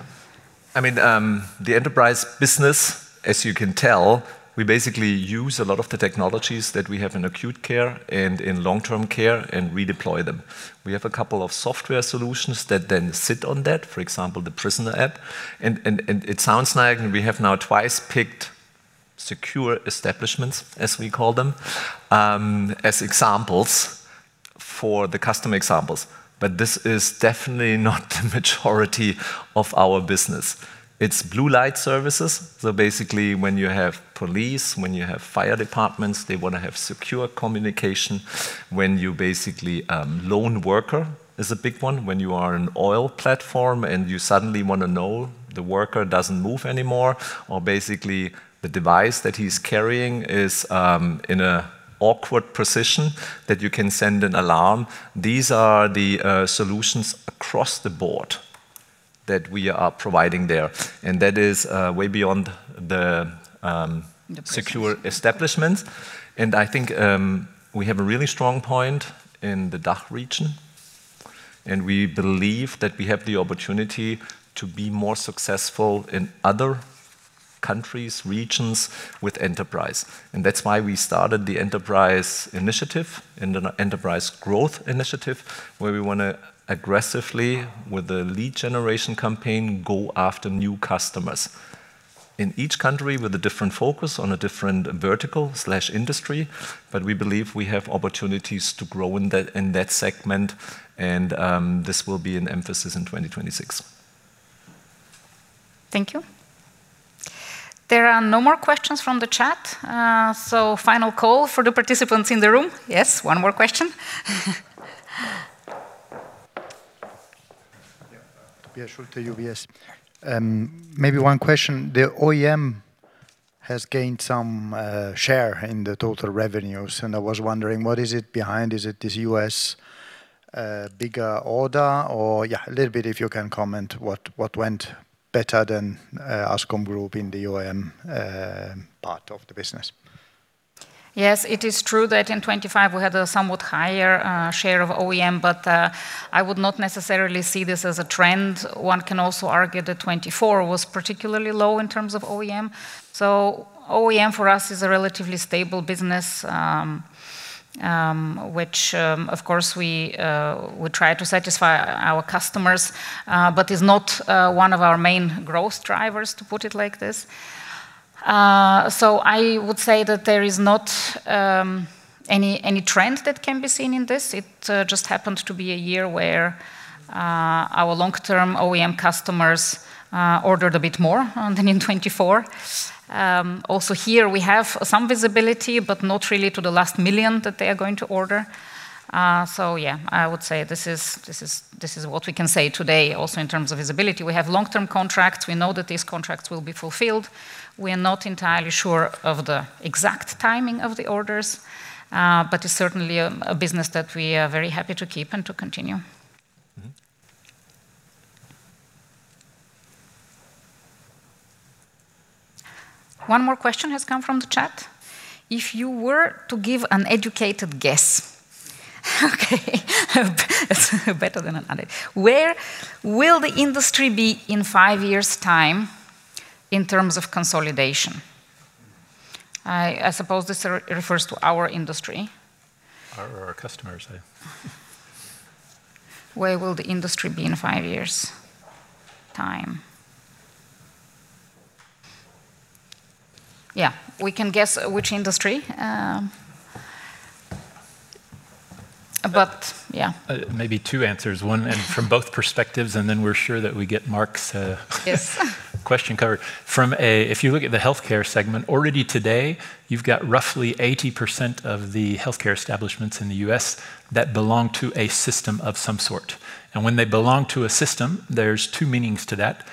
I mean, the Enterprise business, as you can tell, we basically use a lot of the technologies that we have in Acute Care and in Long-Term Care and redeploy them. We have a couple of software solutions that then sit on that, for example, the Prisoner App. It sounds like we have now twice picked secure establishments, as we call them, as examples for the custom examples. This is definitely not the majority of our business. It's blue light services. Basically, when you have police, when you have fire departments, they wanna have secure communication. When you basically, lone worker is a big one. When you are an oil platform and you suddenly wanna know the worker doesn't move anymore, or basically the device that he's carrying is, in an awkward position that you can send an alarm. These are the solutions across the board that we are providing there. That is way beyond the. The prisons. Secure establishments. I think, we have a really strong point in the DACH region. We believe that we have the opportunity to be more successful in other countries, regions with Enterprise. That's why we started the enterprise initiative and an enterprise growth initiative, where we wanna aggressively, with a lead generation campaign, go after new customers. In each country with a different focus on a different vertical/industry. We believe we have opportunities to grow in that segment, and this will be an emphasis in 2026. Thank you. There are no more questions from the chat, so final call for the participants in the room. Yes. One more question. Yeah. Pierre Schulte, UBS. Maybe one question. The OEM has gained some share in the total revenues, and I was wondering what is it behind? Is it this U.S. bigger order? Yeah, a little bit if you can comment what went better than Ascom Group in the OEM part of the business. Yes. It is true that in 2025 we had a somewhat higher share of OEM, but I would not necessarily see this as a trend. One can also argue that 2024 was particularly low in terms of OEM. OEM for us is a relatively stable business, which, of course we try to satisfy our customers, but is not one of our main growth drivers, to put it like this. I would say that there is not any trend that can be seen in this. It just happened to be a year where our long-term OEM customers ordered a bit more than in 2024. Here we have some visibility, but not really to the last 1 million that they are going to order. Yeah, I would say this is what we can say today also in terms of visibility. We have long-term contracts. We know that these contracts will be fulfilled. We are not entirely sure of the exact timing of the orders, but it's certainly a business that we are very happy to keep and to continue. One more question has come from the chat. If you were to give an educated guess. Okay. It's better than an other. Where will the industry be in five years' time in terms of consolidation? I suppose this refers to our industry. Our or our customers, eh? Where will the industry be in five years' time? Yeah. We can guess which industry, but yeah. Maybe two answers. One and from both perspectives, and then we're sure that we get Mark's. Yes. Question covered. If you look at the healthcare segment, already today you've got roughly 80% of the healthcare establishments in the U.S. that belong to a system of some sort. When they belong to a system, there are two meanings to that.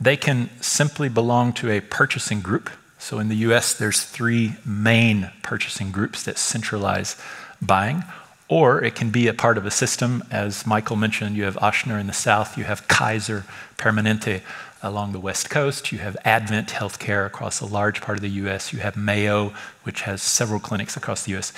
They can simply belong to a purchasing group, so in the U.S. there are three main purchasing groups that centralize buying. It can be a part of a system, as Michael mentioned, you have Ochsner in the South, you have Kaiser Permanente along the West Coast, you have AdventHealth across a large part of the U.S., you have Mayo, which has several clinics across the U.S.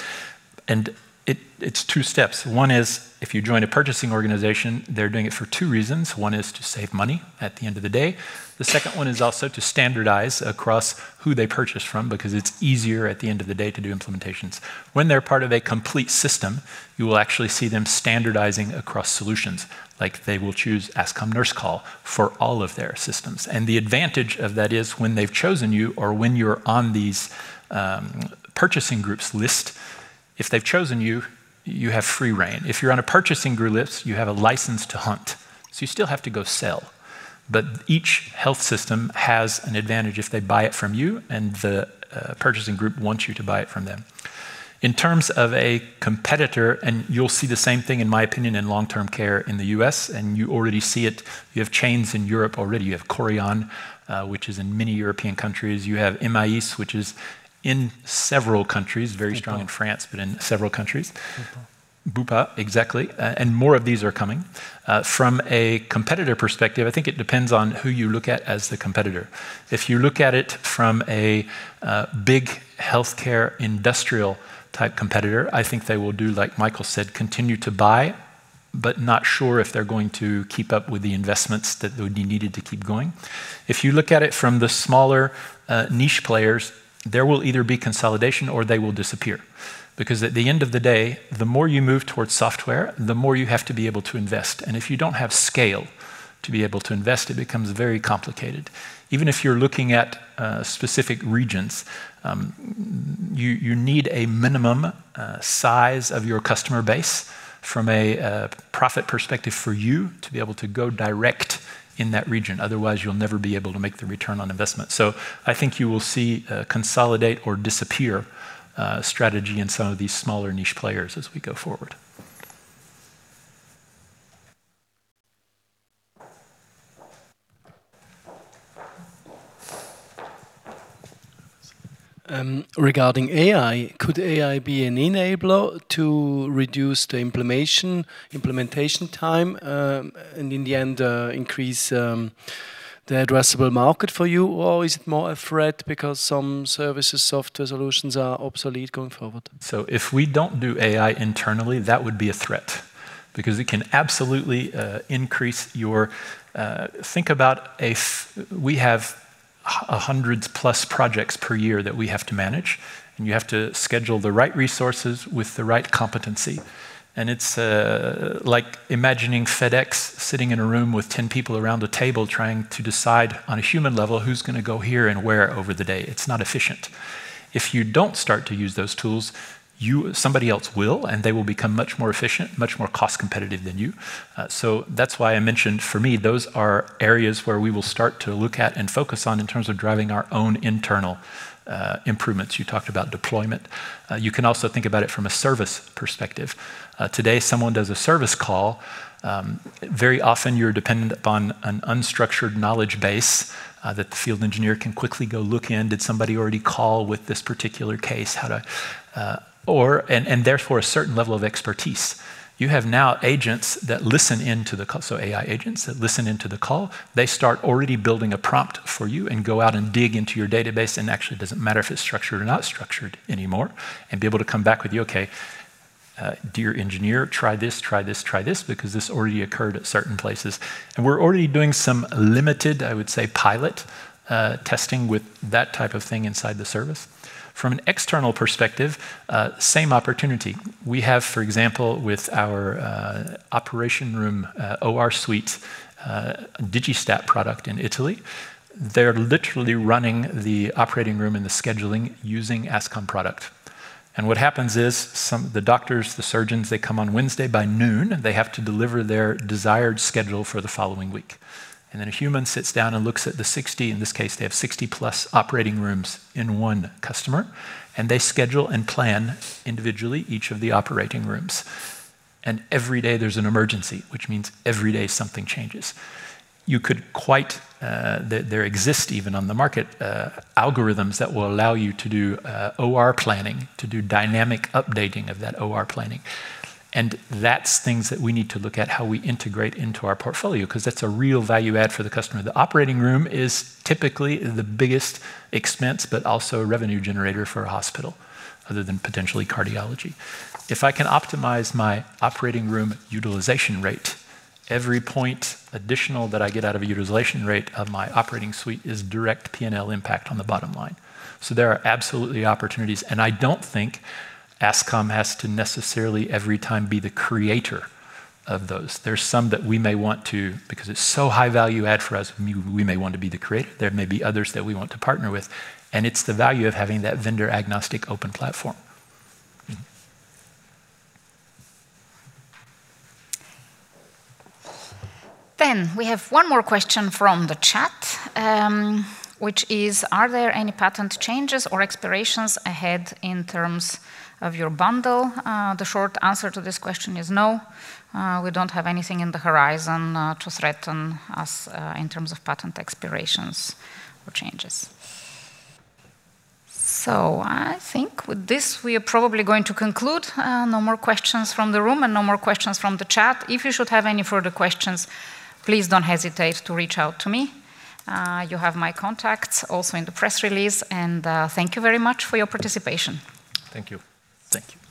It's two steps. One is if you join a purchasing organization, they're doing it for two reasons. One is to save money at the end of the day. The second one is also to standardize across who they purchase from, because it's easier at the end of the day to do implementations. When they're part of a complete system, you will actually see them standardizing across solutions, like they will choose Ascom Nurse Call for all of their systems. The advantage of that is when they've chosen you or when you're on these purchasing group's list, if they've chosen you have free rein. If you're on a purchasing group list, you have a license to hunt. You still have to go sell, but each health system has an advantage if they buy it from you and the purchasing group wants you to buy it from them. In terms of a competitor, and you'll see the same thing in my opinion in long-term care in the U.S., and you already see it, you have chains in Europe already. You have Korian, which is in many European countries. You have MAIS, which is in several countries. Bupa. Very strong in France, but in several countries. Bupa. Bupa. Exactly. More of these are coming. From a competitor perspective, I think it depends on who you look at as the competitor. If you look at it from a big healthcare industrial-type competitor, I think they will do like Michael said, continue to buy, but not sure if they're going to keep up with the investments that would be needed to keep going. If you look at it from the smaller niche players, there will either be consolidation or they will disappear. At the end of the day, the more you move towards software, the more you have to be able to invest. If you don't have scale to be able to invest, it becomes very complicated. Even if you're looking at specific regions, you need a minimum size of your customer base from a profit perspective for you to be able to go direct in that region, otherwise you'll never be able to make the return on investment. I think you will see a consolidate or disappear strategy in some of these smaller niche players as we go forward. Regarding AI, could AI be an enabler to reduce the implementation time, and in the end, increase.he addressable market for you, or is it more a threat because some services, software solutions are obsolete going forward? If we don't do AI internally, that would be a threat because it can absolutely increase your, think about we have hundreds plus projects per year that we have to manage, and you have to schedule the right resources with the right competency. It's like imagining FedEx sitting in a room with 10 people around a table trying to decide on a human level who's gonna go here and where over the day. It's not efficient. If you don't start to use those tools, somebody else will, and they will become much more efficient, much more cost competitive than you. That's why I mentioned for me, those are areas where we will start to look at and focus on in terms of driving our own internal improvements. You talked about deployment. You can also think about it from a service perspective. Today someone does a service call, very often you're dependent upon an unstructured knowledge base that the field engineer can quickly go look in. Did somebody already call with this particular case how to, or, and therefore a certain level of expertise. You have now agents that listen into the call, so AI agents that listen into the call. They start already building a prompt for you and go out and dig into your database, and actually it doesn't matter if it's structured or not structured anymore, and be able to come back with you, "Okay, dear engineer, try this, try this, try this," because this already occurred at certain places. We're already doing some limited, I would say, pilot testing with that type of thing inside the service. From an external perspective, same opportunity. We have, for example, with our operation room, OR Suite, Digistat product in Italy. They're literally running the operating room and the scheduling using Ascom product. What happens is the doctors, the surgeons, they come on Wednesday by noon, they have to deliver their desired schedule for the following week. Then a human sits down and looks at the 60, in this case, they have 60+ operating rooms in one customer, and they schedule and plan individually each of the operating rooms. Every day there's an emergency, which means every day something changes. You could quite, there exist even on the market algorithms that will allow you to do OR planning, to do dynamic updating of that OR planning. That's things that we need to look at how we integrate into our portfolio, 'cause that's a real value add for the customer. The operating room is typically the biggest expense, but also a revenue generator for a hospital other than potentially cardiology. If I can optimize my operating room utilization rate, every point additional that I get out of a utilization rate of my operating suite is direct P&L impact on the bottom line. There are absolutely opportunities, and I don't think Ascom has to necessarily every time be the creator of those. There's some that we may want to, because it's so high value add for us, we may want to be the creator. There may be others that we want to partner with, and it's the value of having that vendor agnostic open platform. We have one more question from the chat, which is: Are there any patent changes or expirations ahead in terms of your bundle? The short answer to this question is no. We don't have anything in the horizon to threaten us in terms of patent expirations or changes. I think with this, we are probably going to conclude. No more questions from the room and no more questions from the chat. If you should have any further questions, please don't hesitate to reach out to me. You have my contacts also in the press release, and thank you very much for your participation. Thank you. Thank you.